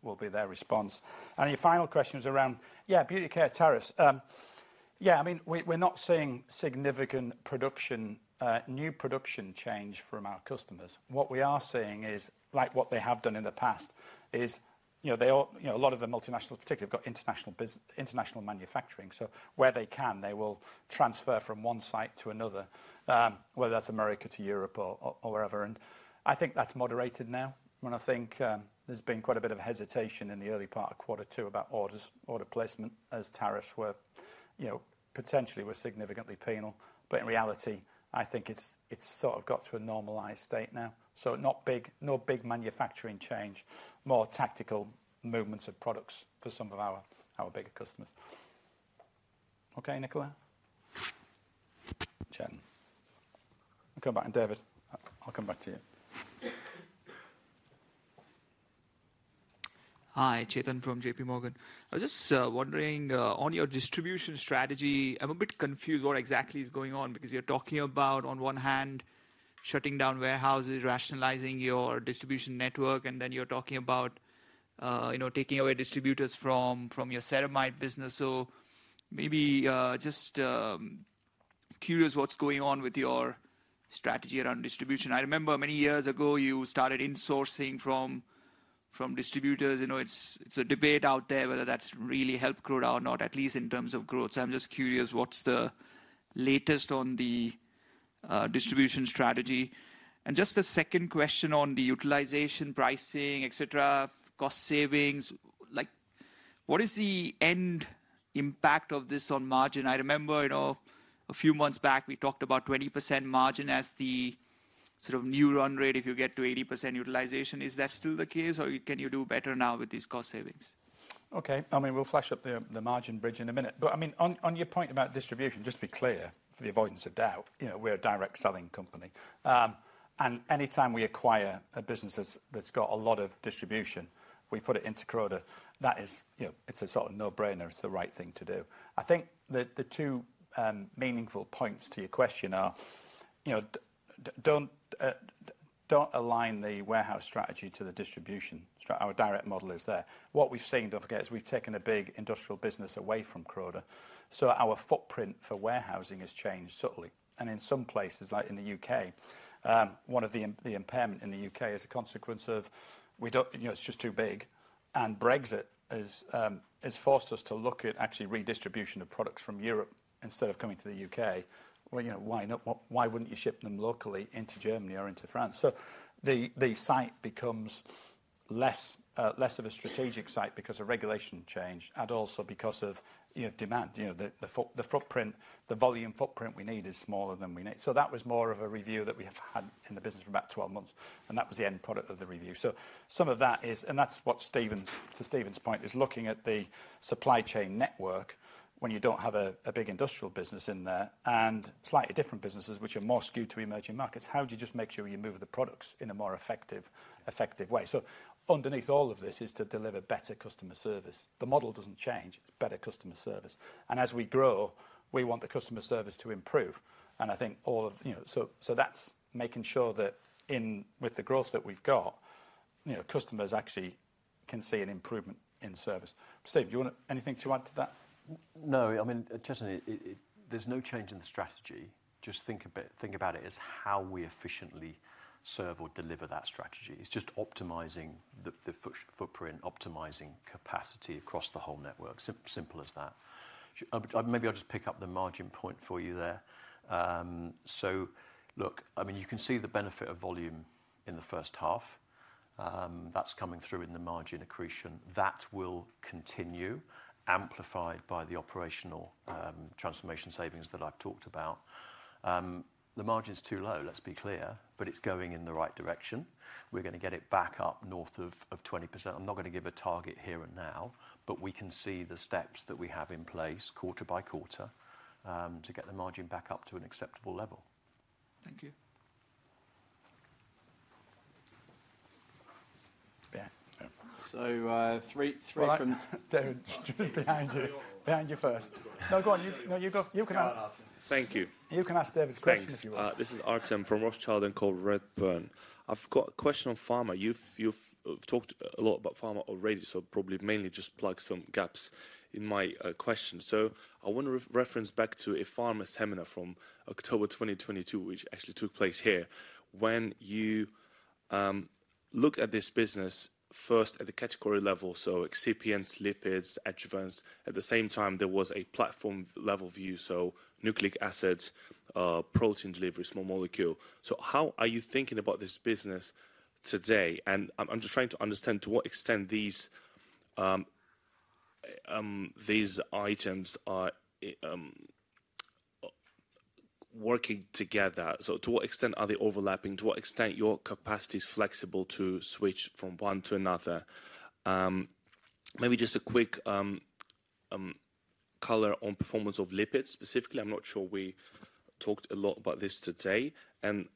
will be their response. Your final question is around, yeah, beauty care tariffs. Yeah, I mean we're not seeing significant new production change from our customers. What we are seeing is like what they have done in the past is a lot of the multinationals particularly have got international manufacturing, so where they can, they will transfer from one site to another, whether that's America to Europe or wherever. I think that's moderated now. I think there's been quite a bit of hesitation in the early part of quarter two about order placement as tariffs were potentially significantly penal. In reality, I think it's sort of got to a normalized state now. No big manufacturing change, more tactical movements of products for some of our bigger customers. Okay, Nicola, Chetan, come back and David, I'll come back to you.
Hi, Chetan from J.P. Morgan. I was just wondering on your distribution strategy. I'm a bit confused what exactly is going on because you're talking about, on one hand, shutting down warehouses, rationalizing your distribution network, and then you're talking about taking away distributors from your ceramide business. Maybe just curious what's going on with your strategy around distribution. I remember many years ago you started insourcing from distributors. You know, it's a debate out there whether that's really helped Croda or not, at least in terms of growth. I'm just curious, what's the latest on the distribution strategy? The second question on the utilization, pricing, etc., cost savings, what is the end impact of this on margin? I remember a few months back we talked about 20% margin as the sort of new run rate. If you get to 80% utilization, is that still the case or can you do better now with these cost savings?
Okay, I mean we'll flash up the margin bridge in a minute. On your point about distribution, just to be clear, for the avoidance of doubt, we're a direct selling company and anytime we acquire a business that's got a lot of distribution we put it into Croda. That is, it's a sort of no brainer, it's the right thing to do. I think the two meaningful points to your question are don't align the warehouse strategy to the distribution. Our direct model is there. What we've seen, don't forget, is we've taken a big industrial business away from Croda, so our footprint for warehousing has changed subtly. In some places, like in the U.K., one of the impairments in the U.K. is a consequence of it's just too big. Brexit has forced us to look at actually redistribution of products from Europe instead of coming to the U.K.. You know, why wouldn't you ship them locally into Germany or into France? The site becomes less of a strategic site because of regulation change and also because of demand. The footprint, the volume footprint we need is smaller than we need. That was more of a review that we have had in the business for about 12 months and that was the end product of the review. Some of that is, and that's what Stephen, to Stephen's point, is looking at the supply chain network. When you don't have a big industrial business in there and slightly different businesses which are more skewed to emerging markets, how do you just make sure you move the products in a more effective, effective way? Underneath all of this is to deliver better customer service. The model doesn't change, it's better customer service. As we grow, we want the customer service to improve. I think all of you know, that's making sure that with the growth that we've got, customers actually can see an improvement in service. Steve, do you want anything to add to that?
No, I mean, there's no change in the strategy. Just think about it as how we efficiently serve or deliver that strategy. It's just optimizing the footprint, optimizing capacity across the whole network. Simple as that. Maybe I'll just pick up the margin. You can see the benefit of volume in the first half that's coming through in the margin accretion that will continue, amplified by the operational transformation savings that I've talked about. The margin's too low, let's be clear, but it's going in the right direction. We're going to get it back up north of 20%. I'm not going to give a target. Here and now, we can see the steps that we have in place quarter by quarter to get the margin back up to an acceptable level.
Thank you. Three from behind you, behind you first. No, go on, no, you go, you can.
Thank you.
You can ask David's question if you want.
This is Artem Chubarov from Redburn Atlantic. I've got a question on pharma. You've talked a lot about pharma already, so probably mainly just plug some gaps in my question. I want to reference back to a pharma seminar from October 2022 which actually took place here. When you look at this business first at the category level, so excipients, lipids, adjuvants. At the same time, there was a platform level view, nucleic acid, protein delivery, small molecule. How are you thinking about this business today? I'm just trying to understand to what extent these items are working together. To what extent are they overlapping? To what extent your capacity is flexible to switch from one to another? Maybe just a quick color on performance of lipids. Specifically, I'm not sure we talked a lot about this today and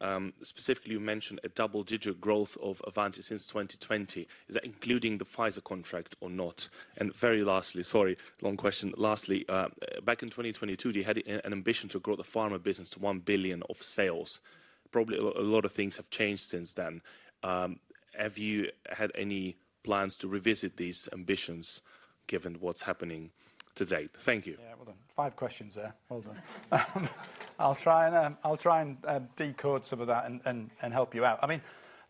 specifically you mentioned a double-digit growth of Avanti since 2020. Is that including the Pfizer contract or not? Lastly, back in 2022 they had an ambition to grow the pharma business to 1 billion of sales. Probably a lot of things have changed since then. Have you had any plans to revisit these ambitions given what's happening to date? Thank you.
Five questions there. I'll try and decode some of that and help you out. I mean,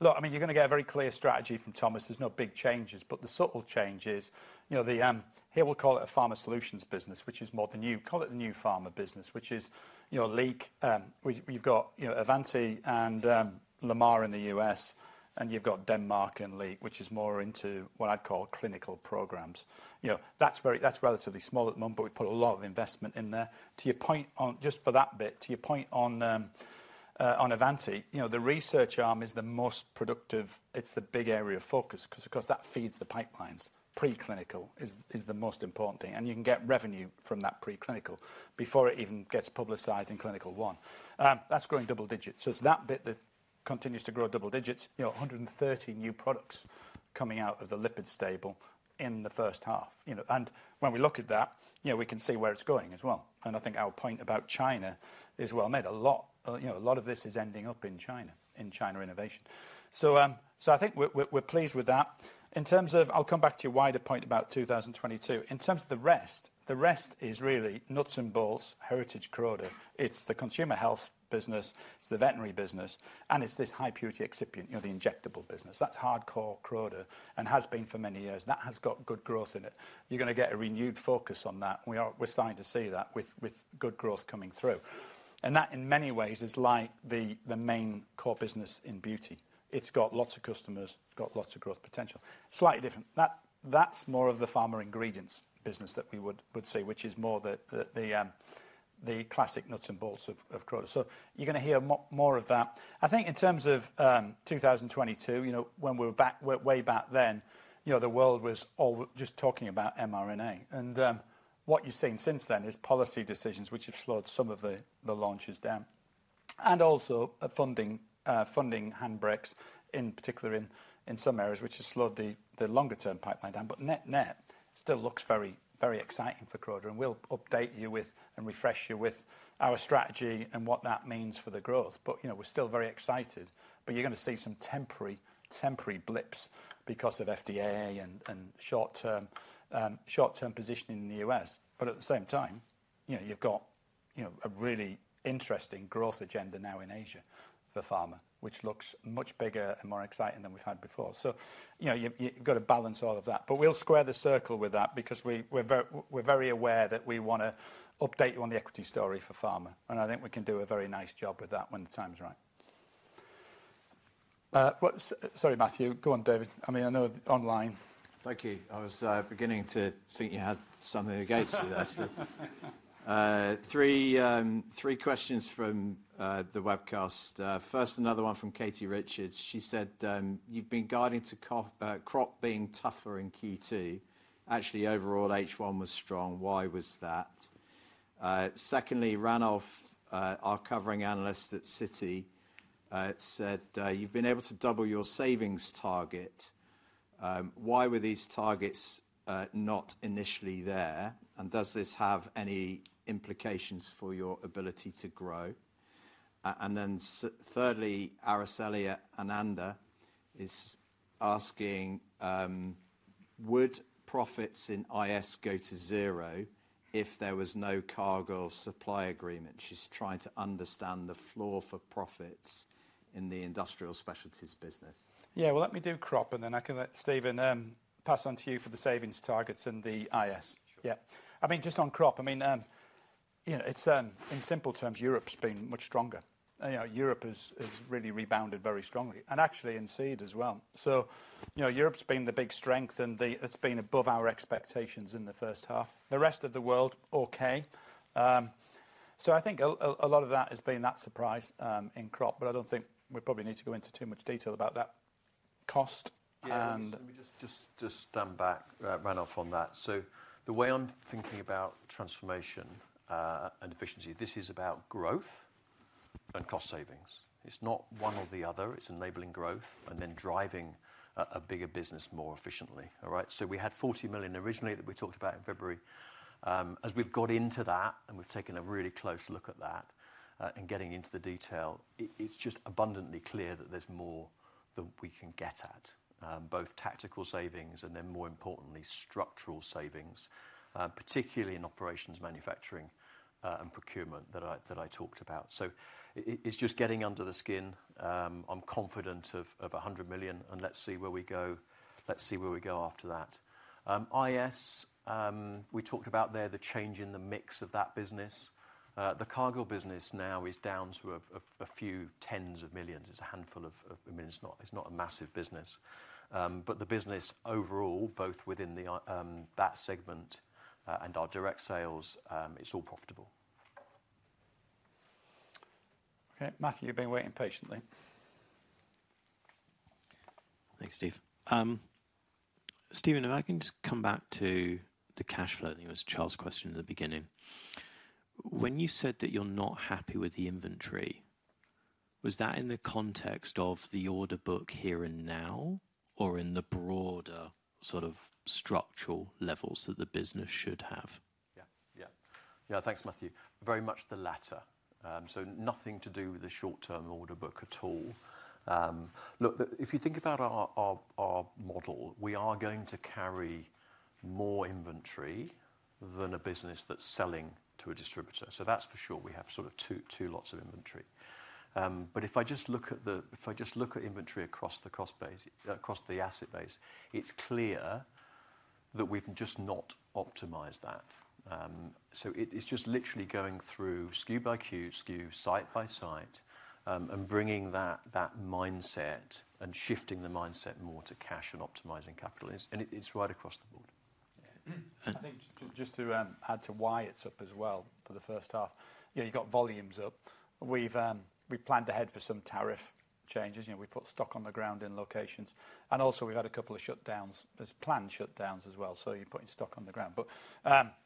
look, you're going to get a very clear strategy from Thomas. There's no big changes, but the subtle changes, you know, here we'll call it a pharma solutions business, which is more than you call it the new pharma business, which is, you know, Leek. You've got, you know, Avanti and Lamar in the U.S., and you've got Denmark and Leake, which is more into what I'd call clinical programs. That's relatively small at the moment, but we put a lot of investment in there. To your point, just for that bit, to your point on Avanti, the research arm is the most productive. It's the big area of focus because of course that feeds the pipelines. Preclinical is the most important thing, and you can get revenue from that preclinical before it even gets publicized. In clinical one, that's growing double digits. It's that bit that continues to grow double digits. 130 new products coming out of the lipid stable in the first half, and when we look at that, we can see where it's going as well. I think our point about China is well made. A lot of this is ending up in China, in China innovation. I think we're pleased with that. I'll come back to your wider point about 2022. In terms of the rest, the rest is really nuts and bolts heritage Croda, it's the consumer health business, it's the veterinary business, and it's this high purity excipient, you know, the injectable business that's hardcore Croda and has been for many years. That has got good growth in it. You're going to get a renewed focus on that. We're starting to see that with good growth coming through. That in many ways is like the main core business in beauty. It's got lots of customers, it's got lots of growth potential. Slightly different, that's more of the pharma ingredients business that we would see, which is more the classic nuts and bolts of Croda. You're going to hear more of that. I think in terms of 2022, when we were back, way back then, the world was just talking about mRNA, and what you've seen since then is policy decisions which have slowed some of the launches down and also funding, funding handbrakes in particular in some areas, which has slowed the longer term pipeline down. Net net still looks very, very exciting for Croda and we'll update you with and refresh you with our strategy and what that means for the growth. We're still very excited, but you're going to see some temporary blips because of FDA and short-term positioning in the U.S. At the same time, you've got a really interesting growth agenda now in Asia for pharma, which looks much bigger and more exciting than we've had before. You've got to balance all of that. We'll square the circle with that because we're very aware that we want to update you on the equity story for pharma, and I think we can do a very nice job with that when the time's right. Sorry, Matthew. Go on, David. I mean, I know online.
Thank you. I was beginning to think you had something against me. Three questions from the webcast. First, another one from Katie Richards. She said you've been guiding to Crop Protection being tougher in Q2. Actually, overall H1 was strong. Why was that? Secondly, Ranulf Orr, our covering analyst at Citi, said you've been able to double your savings, time target. Why were these targets not initially there? Does this have any implications for your ability to grow? Thirdly, Araceliya Ananda is asking, would profits in Industrial Specialties go to zero if there was no cargo of supply agreement? She's trying to understand the flow law for profits in the Industrial Specialties business.
Let me do Crop Protection and then I can let Stephen pass on to you for the savings targets. Just on Crop Protection, in simple terms, Europe has been much stronger. Europe has really rebounded very strongly and actually in seed as well. Europe's been the big strength and it's been above our expectations in the first half. The rest of the world all okay. I think a lot of that has been that surprise in Crop Protection, but I don't think we probably need to go into too much detail about that cost.
Just stand back, Ranulf, on that. The way I'm thinking about transformation and efficiency, this is about growth and cost savings. It's not one or the other, it's enabling growth and then driving a bigger business more efficiently. All right, we had 40 million. Originally that we talked about in February. As we've got into that, we've. Taken a really close look at that and getting into the detail, it's just abundantly clear that there's more that we can get at both tactical savings and then, more importantly, structural savings, particularly in operations, manufacturing, and procurement that I talked about. It's just getting under the skin. I'm confident of 100 million, and let's see where we go after that. We talked about the change in. The mix of that business, the Cargill business now is down to a few tens of millions. It's a handful of, I mean it's not a massive business, but the business overall, both within that segment and our direct sales, it's all profitable.
Okay, Matthew, you've been waiting patiently.
Thanks, Steve. Stephen, if I can just come back to the cash flow. It was Charles' question at the beginning when you said that you're not happy with the inventory. Was that in the context of the order book here and now, or in the broader sort of structural levels that the business should have?
Yeah. Thanks, Matthew. Very much the latter. Nothing to do with the short term order book at all? Look, if you think about our model, we are going to carry more inventory than a business that's selling to a distributor. That's for sure. We have sort of two, two lots of inventory. If I just look at the. If I just look at inventory across the cost base, across the asset base, it's clear that we've just not optimized that. It is just literally going through SKU by SKU, site by site, and bringing that mindset and shifting the mindset more to cash and optimizing capital, and it's right across the board.
I think just to add to why it's up as well, for the first half, you've got volumes up. We've planned ahead for some tariffs changes, you know, we put stock on the ground in locations, and also we've had a couple of shutdowns as planned shutdowns as well. You're putting stock on the ground.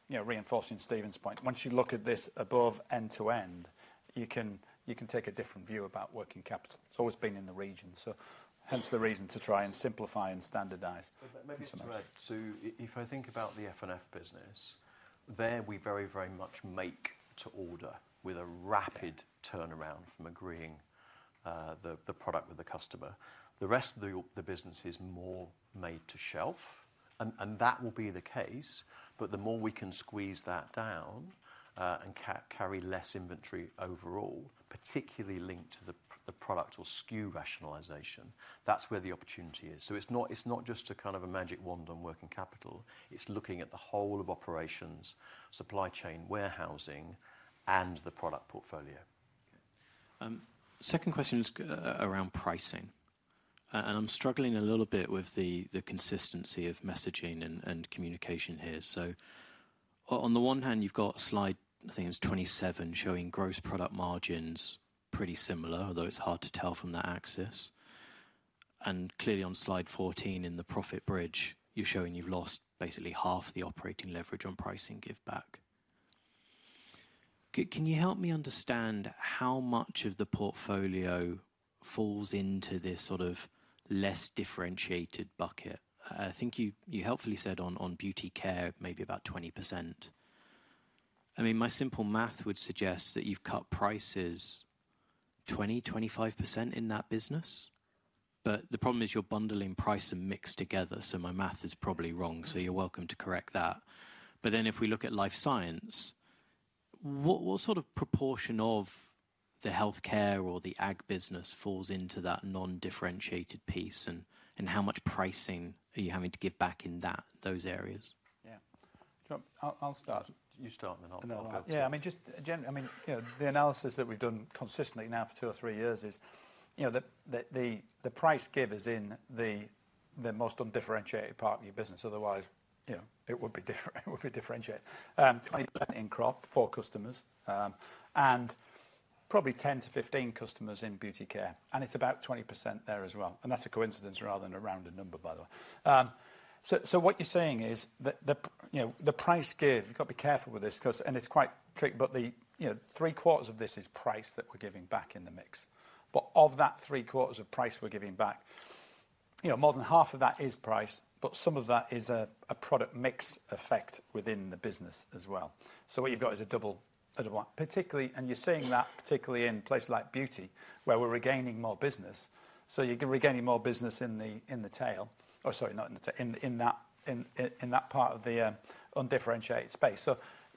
Reinforcing Stephen's point, once you look at this above, end to end, you can take a different view about working capital. It's always been in the region, hence the reason to try and simplify and standardize.
Maybe if I think about the FNF business, there we very, very much make to order with a rapid turnaround from agreeing the product with the customer. The rest of the business is more. Made to shelf, and that will be the case. The more we can squeeze that down and carry less inventory overall, particularly linked to the product or SKU rationalization, that's where the opportunity is. It's not just a kind of a magic wand on working capital. It's looking at the whole of operations, supply chain, warehousing, and the product portfolio.
Second question is around pricing and I'm struggling a little bit with the consistency of messaging and communication here. On the one hand you've got slide, I think it was 27, showing gross product margins pretty similar, although it's hard to tell from that axis. Clearly on slide 14 in the profit bridge, you're showing you've lost basically half the operating leverage on pricing. Give back. Can you help me understand how much of the portfolio falls into this sort of less differentiated bucket? I think you helpfully said on Beauty Care, maybe about 20%. My simple math would suggest that you've cut prices 20%-25% in that business. The problem is you're bundling price and mix together, so my math is probably wrong, so you're welcome to correct that. If we look at Life Sciences, what sort of proportion of the healthcare or the ag business falls into that non-differentiated piece and how much pricing are you having to give back in those areas.
Yeah, I'll start.
You start in the knockout.
Yeah, I mean, the analysis that we've done consistently now for two or three years is, you know, the price give is in the most undifferentiated part of your business. Otherwise, it would be different. It would be differentiated 20% in Crop Protection for customers and probably 10-15 customers in Beauty Care. It's about 20% there as well. That's a coincidence rather than a rounded number, by the way. What you're saying is the price give, you've got to be careful with this because it's quite tricky, but three quarters of this is price that we're giving back in the mix. Of that 3/4 of price we're giving back, more than half of that is price. Some of that is a product mix effect within the business as well. What you've got is a double particularly, and you're seeing that particularly in places like beauty, where we're regaining more business. You're regaining more business in the tail, or, sorry, not in that part of the undifferentiated space.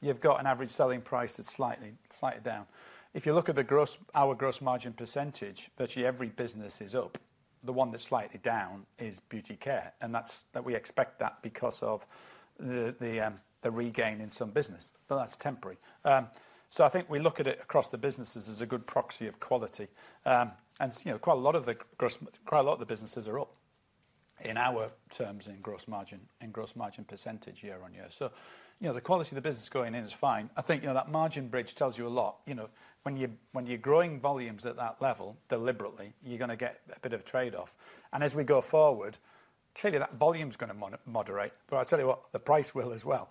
You've got an average selling price that's slightly down. If you look at the gross, our gross margin percentage, virtually every business is up. The one that's slightly down is Beauty Care, and we expect that because of the regain in some business, but that's temporary. I think we look at it across the businesses as a good proxy of quality. Quite a lot of the businesses are up in our terms in gross margin, in gross margin percentage year on year. The quality of the business going in is fine. I think that margin bridge tells you a lot. When you're growing volumes at that level deliberately, you're going to get a bit of a trade off. As we go forward, clearly that volume is going to moderate. I'll tell you what, the price will as well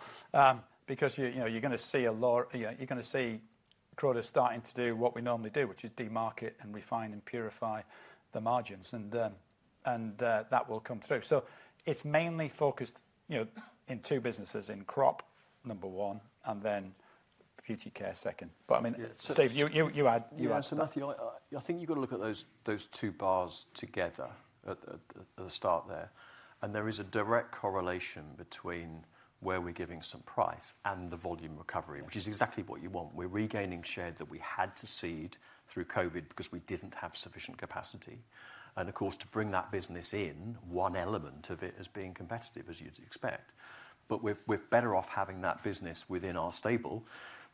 because you're going to see Croda International starting to do what we normally do, which is demarket and refine and purify the margins, and that will come through. It's mainly focused in two businesses, in Crop Protection number one and then Beauty Care second. I mean, Steve, you add.
Matthew, I think you've got to. Look at those two bars together at the start there. There is a direct correlation between where we're giving some price and the volume recovery, which is exactly what you want. We're regaining share that we had to cede through Covid because we didn't have sufficient capacity, and of course to bring that business in, one element of it is being competitive as you'd expect. We're better off having that business within our stable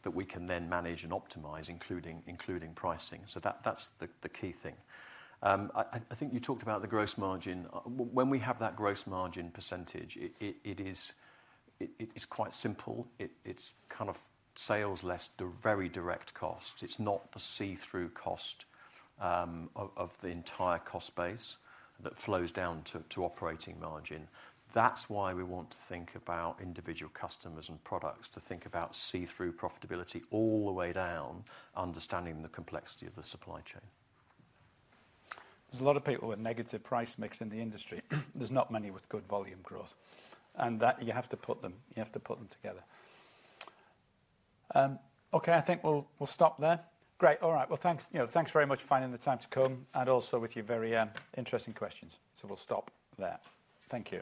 that we can then manage and optimize, including pricing. That's the key thing. I think you talked about the gross margin. When we have that gross margin percentage. Percentage, it's quite simple. It's kind of sales less very direct cost. It's not the see-through cost of the entire cost base that flows down to operating margin. That's why we want to think about individual customers and products to think about see-through profitability all the way down, understanding the complexity of the supply chain.
Are a lot of people with negative price mix in the industry. There are not many with good volume growth, and you have to put them together. I think we'll stop there. Great. All right, thank you very much for finding the time to come and also for your very interesting questions. We'll stop there. Thank you.